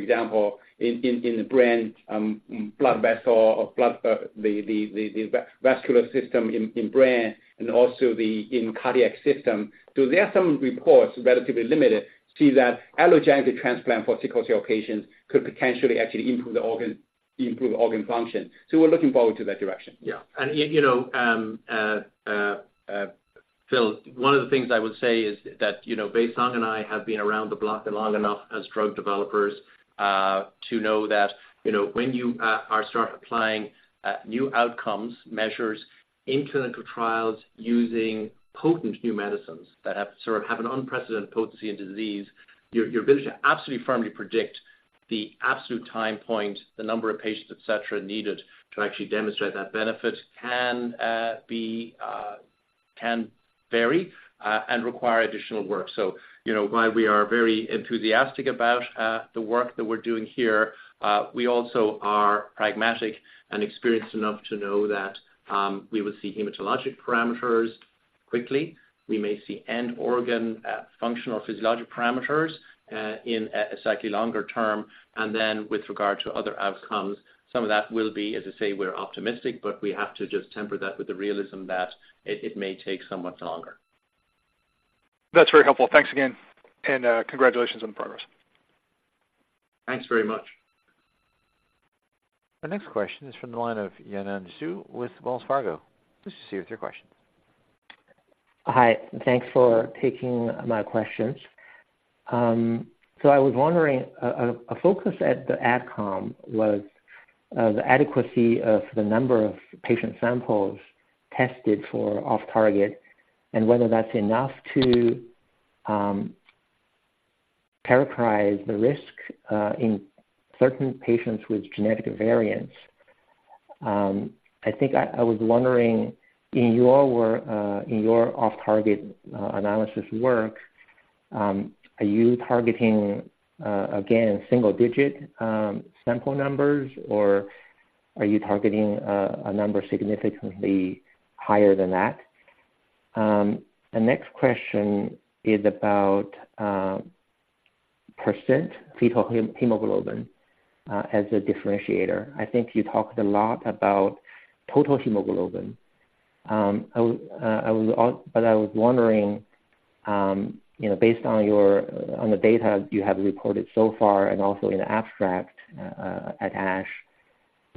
example, in the brain, blood vessel or blood, the vascular system in brain and also the cardiac system. So there are some reports, relatively limited, see that allogeneic transplant for sickle cell patients could potentially actually improve the organ, improve organ function. We're looking forward to that direction. Yeah. And, you know, Phil, one of the things I would say is that, you know, Baisong and I have been around the block long enough as drug developers, to know that, you know, when you are start applying, new outcomes, measures in clinical trials using potent new medicines that have sort of an unprecedented potency in disease, your ability to absolutely firmly predict the absolute time point, the number of patients, et cetera, needed to actually demonstrate that benefit can vary, and require additional work. So you know, while we are very enthusiastic about the work that we're doing here, we also are pragmatic and experienced enough to know that, we will see hematologic parameters quickly. We may see end organ functional physiologic parameters in a slightly longer term. And then with regard to other outcomes, some of that will be, as I say, we're optimistic, but we have to just temper that with the realism that it may take somewhat longer. That's very helpful. Thanks again, and, congratulations on the progress. Thanks very much. The next question is from the line of Yanan Zhu with Wells Fargo. Please proceed with your questions. Hi, thanks for taking my questions. So I was wondering, a focus at the AdCom was the adequacy of the number of patient samples tested for off-target, and whether that's enough to characterize the risk in certain patients with genetic variants. I think I was wondering, in your work, in your off-target analysis work, are you targeting, again, in single digit sample numbers? Or are you targeting a number significantly higher than that? The next question is about % fetal hemoglobin as a differentiator. I think you talked a lot about total hemoglobin. I was wondering, you know, based on your data you have reported so far, and also in the abstract at ASH.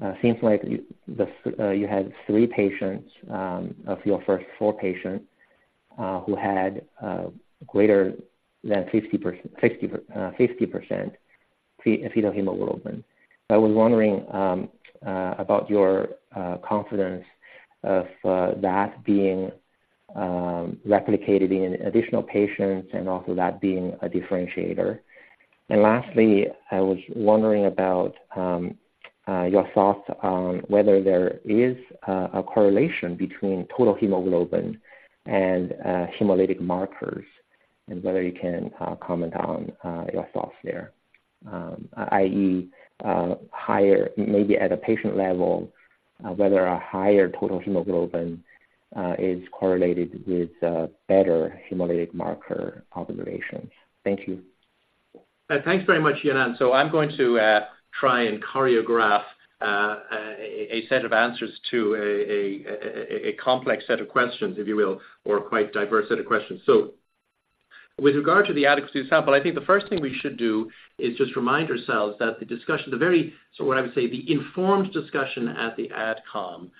It seems like you had three patients of your first four patients who had greater than 50% fetal hemoglobin. I was wondering about your confidence of that being replicated in additional patients and also that being a differentiator. And lastly, I was wondering about your thoughts on whether there is a correlation between total hemoglobin and hemolytic markers, and whether you can comment on your thoughts there. i.e., higher, maybe at a patient level, whether a higher total hemoglobin is correlated with better hemolytic marker observations. Thank you. Thanks very much, Yanan. So I'm going to try and choreograph a complex set of questions, if you will, or a quite diverse set of questions. So with regard to the adequacy of sample, I think the first thing we should do is just remind ourselves that the discussion. So what I would say, the informed discussion at the AdCom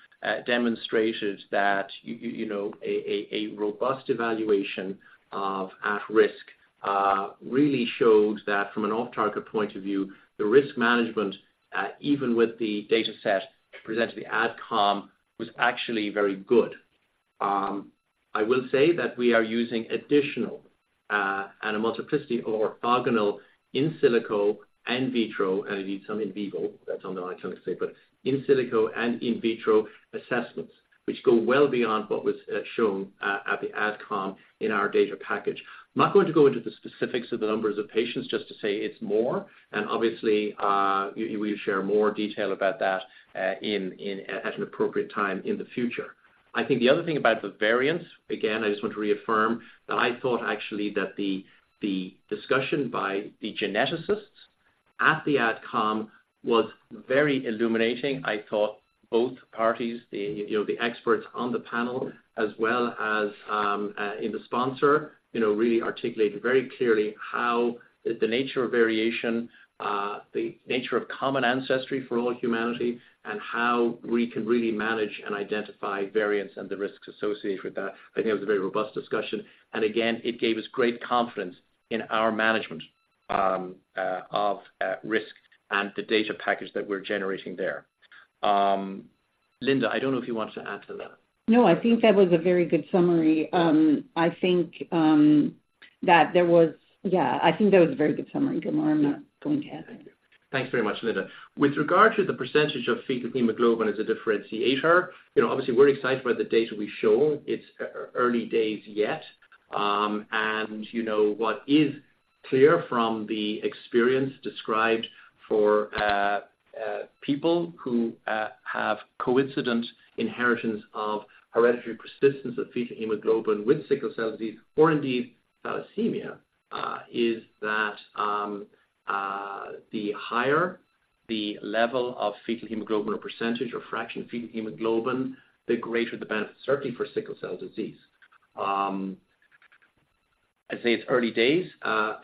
demonstrated that you know a robust evaluation of at-risk really showed that from an off-target point of view, the risk management even with the dataset presented to the AdCom was actually very good. I will say that we are using additional and a multiplicity or orthogonal in silico and in vitro, and indeed some in vivo, that's on the epigenetic state, but in silico and in vitro assessments, which go well beyond what was shown at the AdCom in our data package. I'm not going to go into the specifics of the numbers of patients just to say it's more, and obviously we will share more detail about that in at an appropriate time in the future. I think the other thing about the variants, again, I just want to reaffirm that I thought actually that the discussion by the geneticists at the AdCom was very illuminating. I thought both parties, you know, the experts on the panel, as well as in the sponsor, you know, really articulated very clearly how the nature of variation, the nature of common ancestry for all humanity, and how we can really manage and identify variants and the risks associated with that. I think it was a very robust discussion, and again, it gave us great confidence in our management of risk and the data package that we're generating there. Linda, I don't know if you want to add to that. No, I think that was a very good summary. I think, yeah, I think that was a very good summary, Gilmore. I'm not going to add anything. Thank you. Thanks very much, Linda. With regard to the percentage of fetal hemoglobin as a differentiator, you know, obviously, we're excited by the data we've shown. It's early days yet. And you know, what is clear from the experience described for people who have coincident inheritance of hereditary persistence of fetal hemoglobin with sickle cell disease or indeed thalassemia is that the higher the level of fetal hemoglobin or percentage or fraction of fetal hemoglobin, the greater the benefit, certainly for sickle cell disease. I'd say it's early days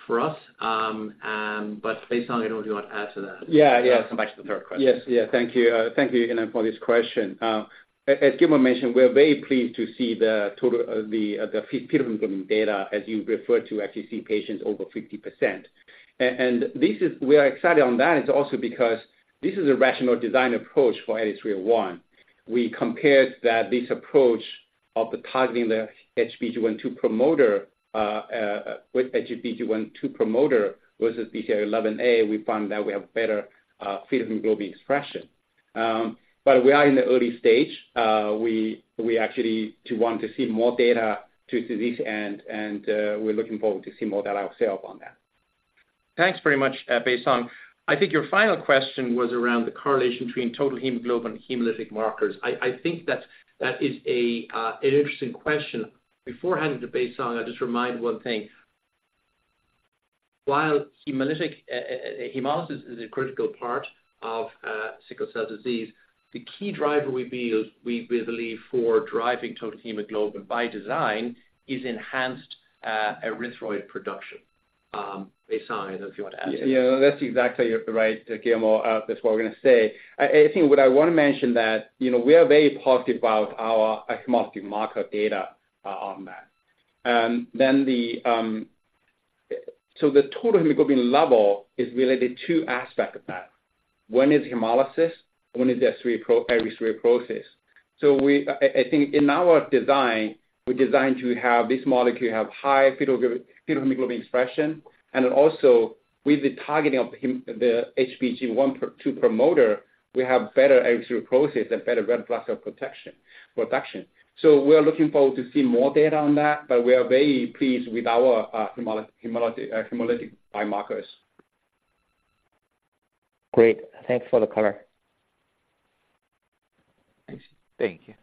for us, and but Baisong, I don't know if you want to add to that. Yeah, yeah. I'll come back to the third question. Yes, yeah. Thank you. Thank you again for this question. As Gilmore mentioned, we're very pleased to see the total, the fetal hemoglobin data, as you referred to, actually see patients over 50%. And this is we are excited on that, is also because this is a rational design approach for EDIT-301. We compared that this approach of the targeting the HBG1-2 promoter, with HBG1-2 promoter versus BCL11A, we found that we have better fetal hemoglobin expression. But we are in the early stage. We actually to want to see more data to this end, and we're looking forward to see more data ourselves on that. Thanks very much, Baisong. I think your final question was around the correlation between total hemoglobin and hemolytic markers. I think that's, that is an interesting question. Before handing to Baisong, I'll just remind one thing. While hemolytic hemolysis is a critical part of sickle cell disease, the key driver we feel, we believe, for driving total hemoglobin by design is enhanced erythroid production. Baisong, if you want to add to it. Yeah, that's exactly right, Gilmore. That's what we're going to say. I think what I want to mention that, you know, we are very positive about our hematologic marker data on that. And then the total hemoglobin level is really the two aspects of that. One is hemolysis, one is the erythrocyte process. So I think in our design, we designed to have this molecule have high fetal hemoglobin expression, and then also with the targeting of the HBG1-2 promoter, we have better erythrocyte process and better red blood cell protection, production. So we are looking forward to see more data on that, but we are very pleased with our hemolytic biomarkers. Great, thanks for the color. Thanks. Thank you.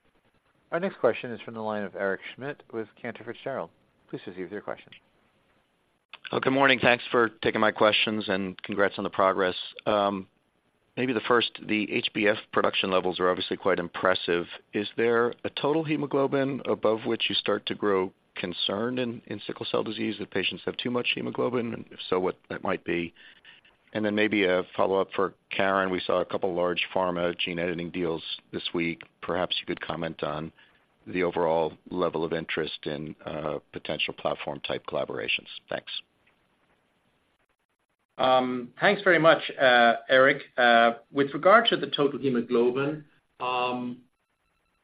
Our next question is from the line of Eric Schmidt with Cantor Fitzgerald. Please proceed with your question. Well, good morning. Thanks for taking my questions, and congrats on the progress. Maybe the first, the HbF production levels are obviously quite impressive. Is there a total hemoglobin above which you start to grow concerned in sickle cell disease, if patients have too much hemoglobin? And if so, what that might be. And then maybe a follow-up for Caren. We saw a couple large pharma gene editing deals this week. Perhaps you could comment on the overall level of interest in potential platform-type collaborations. Thanks. Thanks very much, Eric. With regard to the total hemoglobin,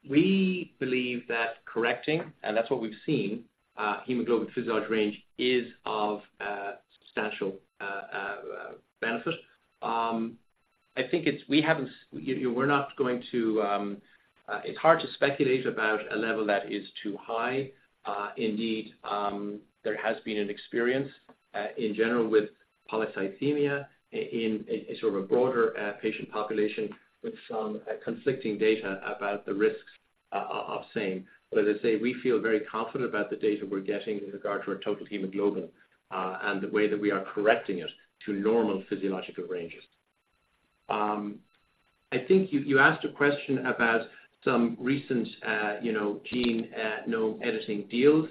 we believe that correcting, and that's what we've seen, hemoglobin physiological range is of substantial benefit. I think it's. We haven't, you know, we're not going to, it's hard to speculate about a level that is too high. Indeed, there has been an experience, in general with polycythemia in sort of a broader patient population with some conflicting data about the risks of same. But as I say, we feel very confident about the data we're getting with regard to our total hemoglobin, and the way that we are correcting it to normal physiological ranges. I think you asked a question about some recent, you know, gene genome editing deals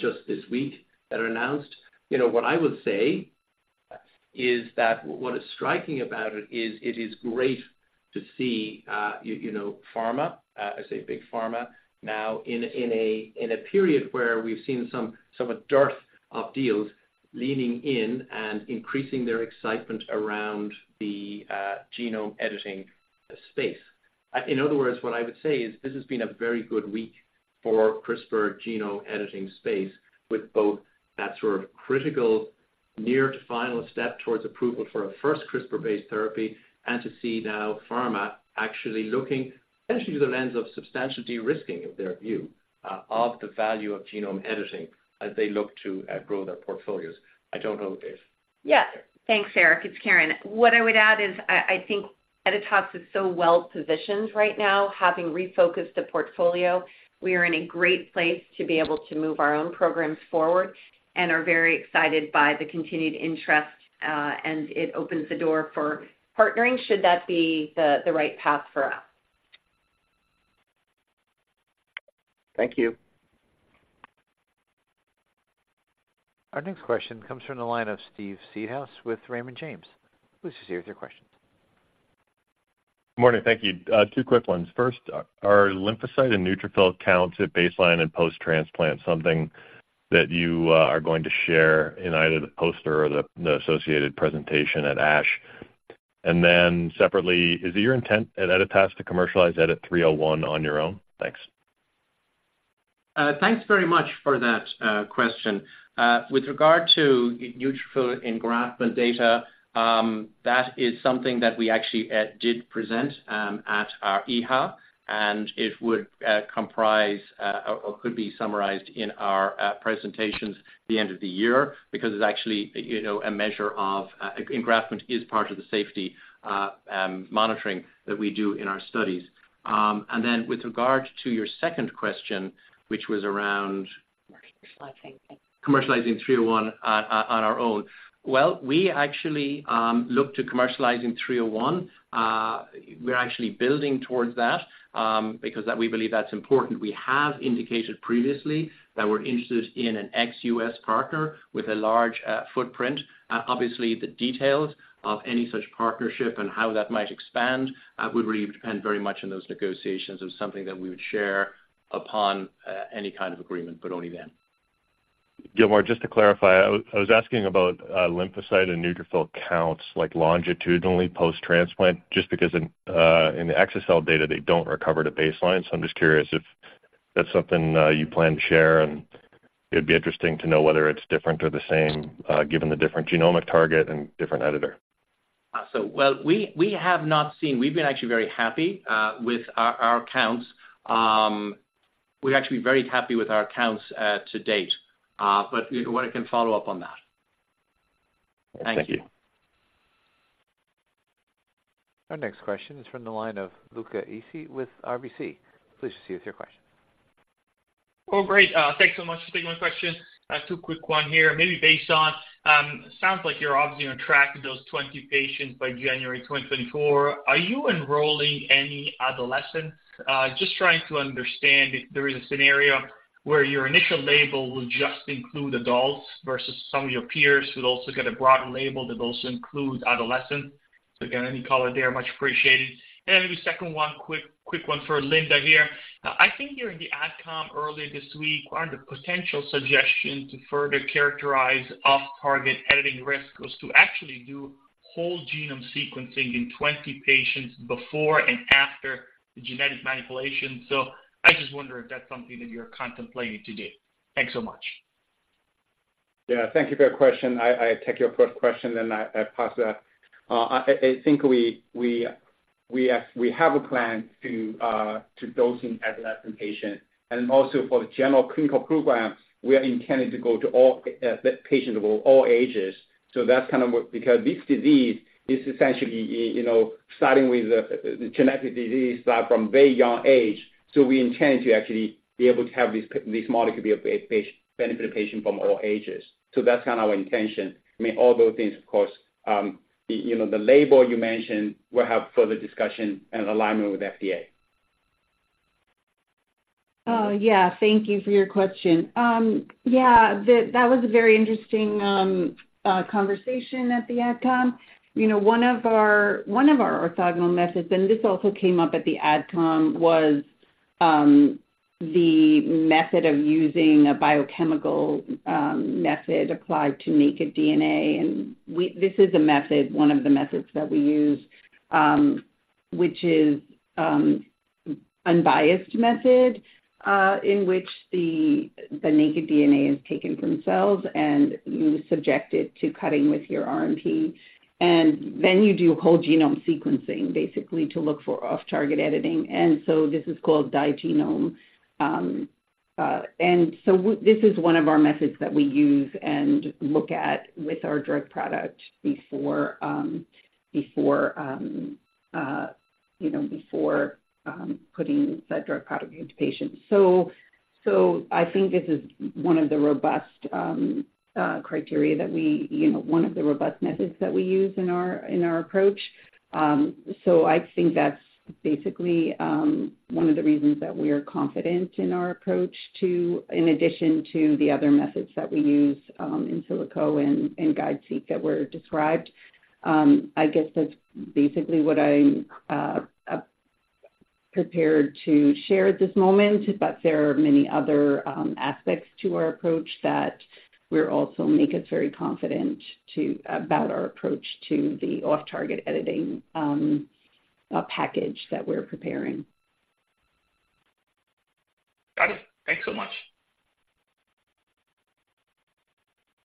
just this week that are announced. You know, what I would say is that what is striking about it is, it is great to see, you, you know, pharma, I say big pharma, now in a, in a, in a period where we've seen some, somewhat dearth of deals leaning in and increasing their excitement around the, genome editing space. In other words, what I would say is, this has been a very good week for CRISPR genome editing space, with both that sort of critical, near to final step towards approval for a first CRISPR-based therapy, and to see now pharma actually looking, especially through the lens of substantial de-risking of their view, of the value of genome editing as they look to, grow their portfolios. I don't know, if- Yeah. Thanks, Eric. It's Caren. What I would add is I think Editas is so well positioned right now, having refocused the portfolio. We are in a great place to be able to move our own programs forward and are very excited by the continued interest, and it opens the door for partnering, should that be the right path for us. Thank you. Our next question comes from the line of Steve Seedhouse with Raymond James. Please proceed with your question. Good morning. Thank you. Two quick ones. First, are lymphocyte and neutrophil counts at baseline and post-transplant something that you are going to share in either the poster or the associated presentation at ASH? And then separately, is it your intent at Editas to commercialize EDIT-301 on your own? Thanks. Thanks very much for that question. With regard to neutrophil engraftment data, that is something that we actually did present at our EHA, and it would comprise or could be summarized in our presentations at the end of the year, because it's actually, you know, a measure of engraftment is part of the safety monitoring that we do in our studies. And then with regard to your second question, which was around- Commercializing commercializing EDIT-301 on our own. Well, we actually look to commercializing EDIT-301. We're actually building towards that, because that—we believe that's important. We have indicated previously that we're interested in an ex-US partner with a large footprint. Obviously, the details of any such partnership and how that might expand would really depend very much on those negotiations. It's something that we would share upon any kind of agreement, but only then. Gilmore, just to clarify, I, I was asking about lymphocyte and neutrophil counts, like longitudinally post-transplant, just because in the exa-cel data, they don't recover to baseline. So I'm just curious if that's something you plan to share, and it'd be interesting to know whether it's different or the same, given the different genomic target and different editor. So, well, we have not seen. We've been actually very happy with our counts. We're actually very happy with our counts to date, but we, I can follow up on that. Thank you. Thank you. Our next question is from the line of Luca Issi with RBC. Please proceed with your question. Well, great. Thanks so much for taking my question. I have two quick ones here. Maybe based on, sounds like you're obviously going to track those 20 patients by January 2024. Are you enrolling any adolescents? Just trying to understand if there is a scenario where your initial label will just include adults versus some of your peers who also get a broad label that also includes adolescents? So again, any color there, much appreciated. And then the second one, quick, quick one for Linda here. Now, I think you're in the AdCom earlier this week, one of the potential suggestions to further characterize off-target editing risk was to actually do whole genome sequencing in 20 patients before and after the genetic manipulation. So I just wonder if that's something that you're contemplating to do. Thanks so much. Yeah, thank you for your question. I take your first question, then I pass that. I think we have a plan to dosing adolescent patient, and also for the general clinical programs, we are intending to go to all patients of all ages. So that's kind of work, because this disease is essentially, you know, starting with the genetic disease, start from very young age. So we intend to actually be able to have this molecule be a benefit patient from all ages. So that's kind of our intention. I mean, all those things, of course, you know, the label you mentioned, we'll have further discussion and alignment with FDA. Oh, yeah, thank you for your question. Yeah, that was a very interesting conversation at the AdCom. You know, one of our orthogonal methods, and this also came up at the AdCom, was the method of using a biochemical method applied to naked DNA, and this is a method, one of the methods that we use, which is unbiased method, in which the naked DNA is taken from cells and you subject it to cutting with your RNP. And then you do whole genome sequencing, basically, to look for off-target editing, and so this is called Digenome. And so this is one of our methods that we use and look at with our drug product before, before you know, before putting said drug product into patients. So, I think this is one of the robust criteria that we, you know, one of the robust methods that we use in our approach. So, I think that's basically one of the reasons that we are confident in our approach to. in addition to the other methods that we use, in silico and GUIDE-seq, that were described. I guess that's basically what I'm prepared to share at this moment, but there are many other aspects to our approach that we're also make us very confident to, about our approach to the off-target editing package that we're preparing. Got it. Thanks so much.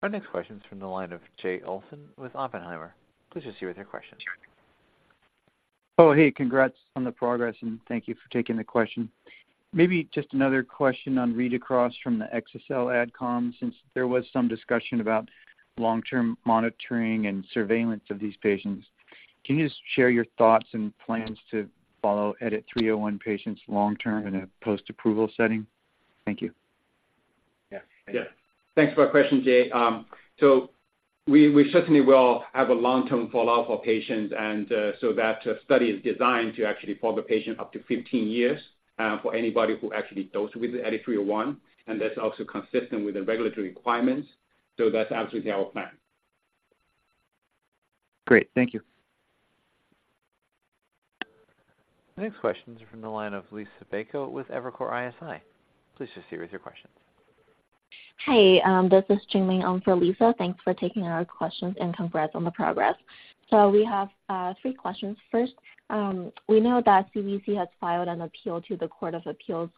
Our next question is from the line of Jay Olsen with Oppenheimer. Please just share with your question. Oh, hey, congrats on the progress, and thank you for taking the question. Maybe just another question on read-across from the exa-cel AdCom, since there was some discussion about long-term monitoring and surveillance of these patients. Can you just share your thoughts and plans to follow EDIT-301 patients long term in a post-approval setting? Thank you. Yeah. Yeah. Thanks for that question, Jay. So we certainly will have a long-term follow-up for patients, and so that study is designed to actually follow the patient up to 15 years, for anybody who actually dosed with the EDIT-301, and that's also consistent with the regulatory requirements. So that's absolutely our plan. Great. Thank you. The next questions are from the line of Liisa Bayko with Evercore ISI. Please just share with your questions. Hi, this is Jingming on for Lisa. Thanks for taking our questions, and congrats on the progress. We have three questions. First, we know that CVC has filed an appeal to the Court of Appeals.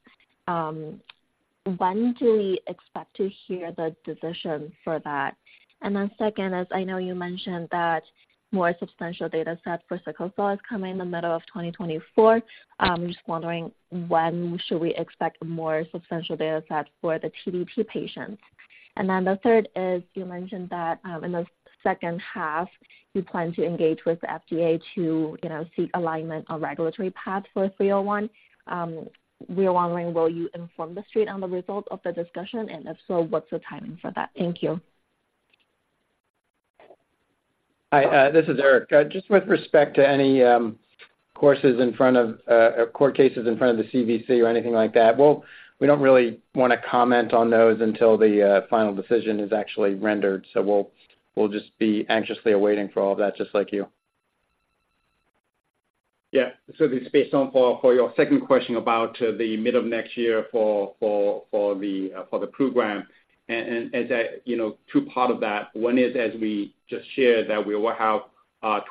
When do we expect to hear the decision for that? And then second, as I know you mentioned that more substantial data set for sickle cell is coming in the middle of 2024. Just wondering, when should we expect more substantial data set for the TDT patients? And then the third is, you mentioned that, in the second half, you plan to engage with the FDA to, you know, seek alignment on regulatory path for EDIT-301. We are wondering, will you inform the street on the result of the discussion? And if so, what's the timing for that? Thank you. Hi, this is Erick. Just with respect to any court cases in front of the CVC or anything like that, we'll, we don't really want to comment on those until the final decision is actually rendered, so we'll, we'll just be anxiously awaiting for all that, just like you. Yeah. So just based on your second question about the middle of next year for the program, and that, you know, two parts of that. One is, as we just shared, that we will have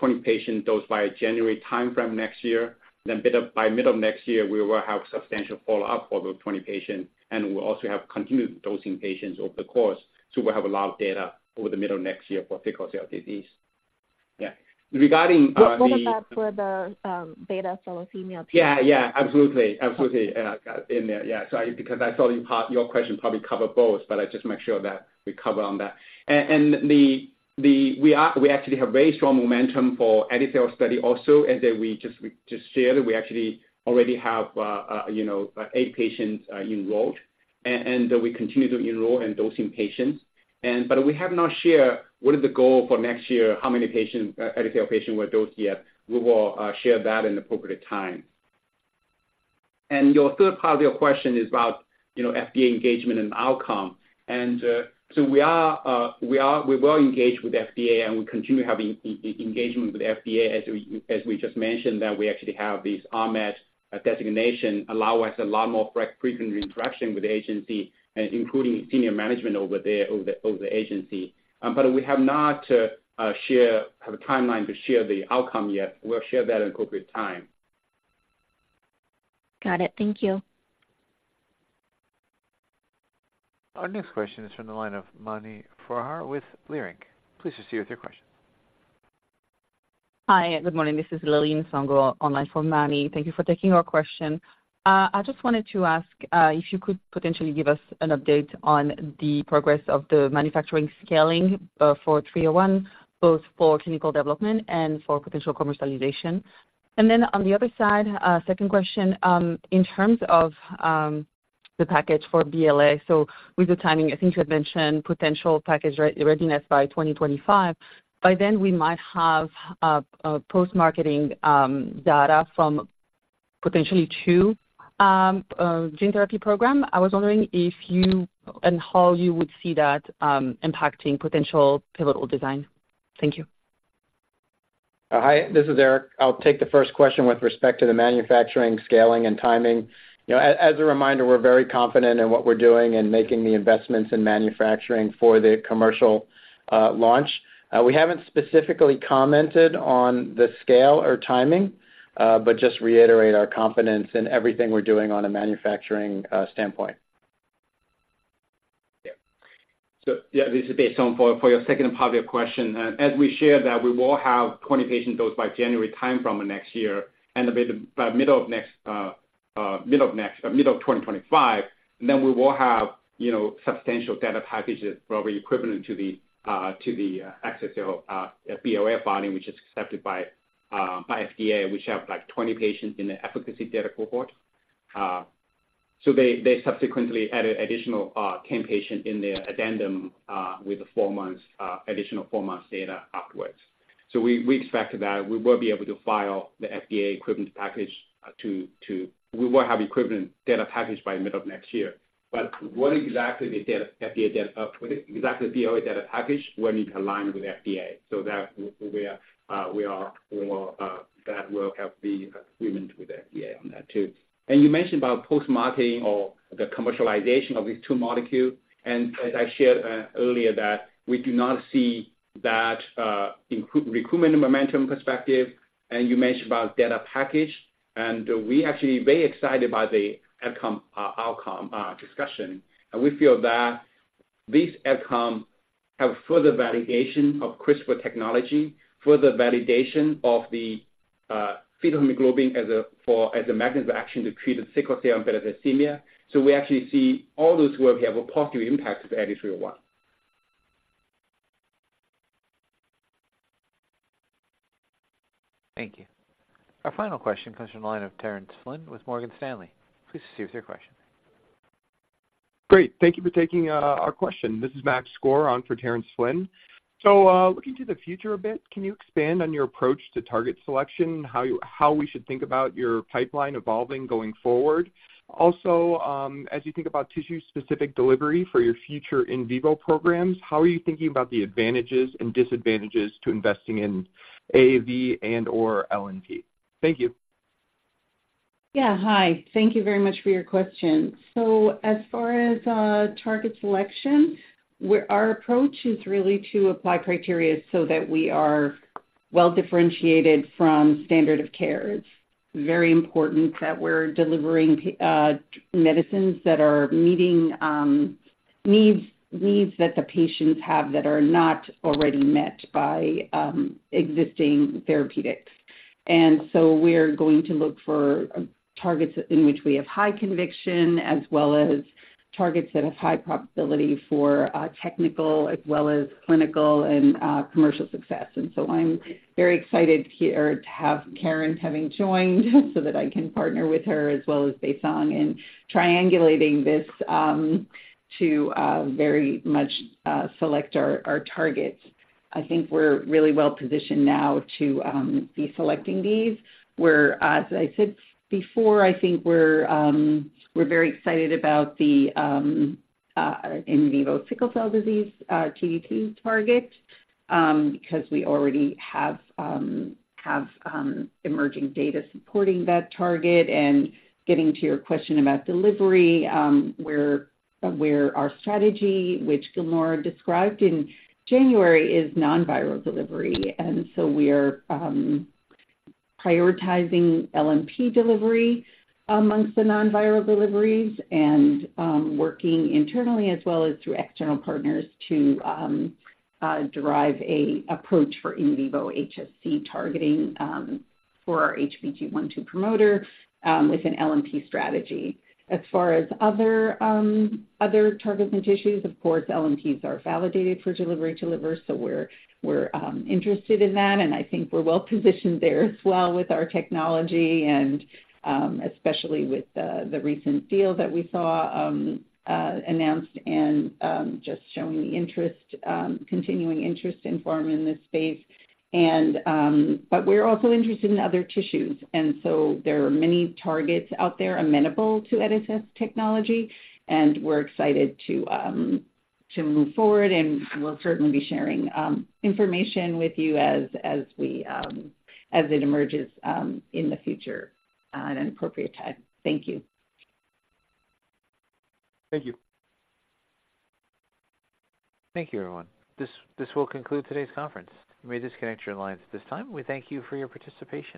20 patients dosed by January timeframe next year. Then, by middle of next year, we will have substantial follow-up for the 20 patients, and we'll also have continued dosing patients over the course. So we'll have a lot of data over the middle of next year for sickle cell disease. Yeah. Regarding the- What about for the beta thalassemia? Yeah, yeah, absolutely. Absolutely, in there. Yeah, so because I saw your question probably cover both, but I just make sure that we cover on that. And the, we actually have very strong momentum for EDIT-301 study also, and then we just shared we actually already have, you know, 8 patients enrolled. And we continue to enroll and dosing patients. But we have not shared what is the goal for next year, how many patients, EDIT-301 patient were dosed yet. We will share that in appropriate time. And your third part of your question is about, you know, FDA engagement and outcome. We are well engaged with FDA, and we continue having engagement with the FDA, as we just mentioned, that we actually have this RMAT designation, allow us a lot more frequent interaction with the agency, including senior management over there, over the agency. We have not share, have a timeline to share the outcome yet. We'll share that in appropriate time. Got it. Thank you. Our next question is from the line of Mani Foroohar with Leerink. Please proceed with your question. Hi, good morning. This is Lili Nsongo, online for Manny. Thank you for taking our question. I just wanted to ask if you could potentially give us an update on the progress of the manufacturing scaling for EDIT-301, both for clinical development and for potential commercialization. And then on the other side, second question, in terms of the package for BLA, so with the timing, I think you had mentioned potential package readiness by 2025. By then, we might have a post-marketing data from potentially two gene therapy program. I was wondering if you and how you would see that impacting potential pivotal design. Thank you. Hi, this is Erick. I'll take the first question with respect to the manufacturing, scaling, and timing. You know, as a reminder, we're very confident in what we're doing and making the investments in manufacturing for the commercial launch. We haven't specifically commented on the scale or timing, but just reiterate our confidence in everything we're doing on a manufacturing standpoint. Yeah. So yeah, this is Baisong, for your second part of your question. As we shared, that we will have 20 patient dose by January timeframe of next year, and by middle of next, middle of 2025, then we will have, you know, substantial data packages, probably equivalent to the exa-cel BLA filing, which is accepted by FDA, which have, like, 20 patients in the efficacy data cohort. So they subsequently added additional 10 patient in their addendum with a 4 months additional 4 months data afterwards. So we expect that we will be able to file the FDA equivalent package to. We will have equivalent data package by middle of next year. What exactly the data, FDA data, what exactly the BLA data package will need to align with the FDA? So that we are more, that will have the agreement with the FDA on that, too. You mentioned about post-marketing or the commercialization of these two molecules, and as I shared earlier, that we do not see that recruitment and momentum perspective, and you mentioned about data package, and we actually very excited about the outcome discussion. We feel that these outcomes have further validation of CRISPR technology, further validation of the fetal hemoglobin as a mechanism of action to treat the sickle cell and beta thalassemia. We actually see all those work have a positive impact with EDIT-301. Thank you. Our final question comes from the line of Terence Flynn with Morgan Stanley. Please proceed with your question. Great. Thank you for taking our question. This is Max Skor on for Terence Flynn. So, looking to the future a bit, can you expand on your approach to target selection, how you, how we should think about your pipeline evolving going forward? Also, as you think about tissue-specific delivery for your future in vivo programs, how are you thinking about the advantages and disadvantages to investing in AAV and/or LNP? Thank you. Yeah. Hi, thank you very much for your question. So as far as target selection, our approach is really to apply criteria so that we are well-differentiated from standard of care. It's very important that we're delivering medicines that are meeting needs, needs that the patients have that are not already met by existing therapeutics. And so we're going to look for targets in which we have high conviction, as well as targets that have high probability for technical as well as clinical and commercial success. And so I'm very excited here to have Caren having joined so that I can partner with her, as well as Baisong, in triangulating this to very much select our targets. I think we're really well positioned now to be selecting these. We're, as I said before, I think we're very excited about the in vivo sickle cell disease TDT target because we already have emerging data supporting that target. Getting to your question about delivery, where our strategy, which Gilmore described in January, is non-viral delivery. So we're prioritizing LNP delivery amongst the non-viral deliveries and working internally as well as through external partners to derive an approach for in vivo HSC targeting for our HBG1-2 promoter with an LNP strategy. As far as other targets and tissues, of course, LNPs are validated for delivery to liver, so we're interested in that, and I think we're well positioned there as well with our technology and especially with the recent deal that we saw announced and just showing the continuing interest in forming this space. But we're also interested in other tissues, and so there are many targets out there amenable to ESS technology, and we're excited to move forward, and we'll certainly be sharing information with you as it emerges in the future in an appropriate time. Thank you. Thank you. Thank you, everyone. This will conclude today's conference. You may disconnect your lines at this time. We thank you for your participation.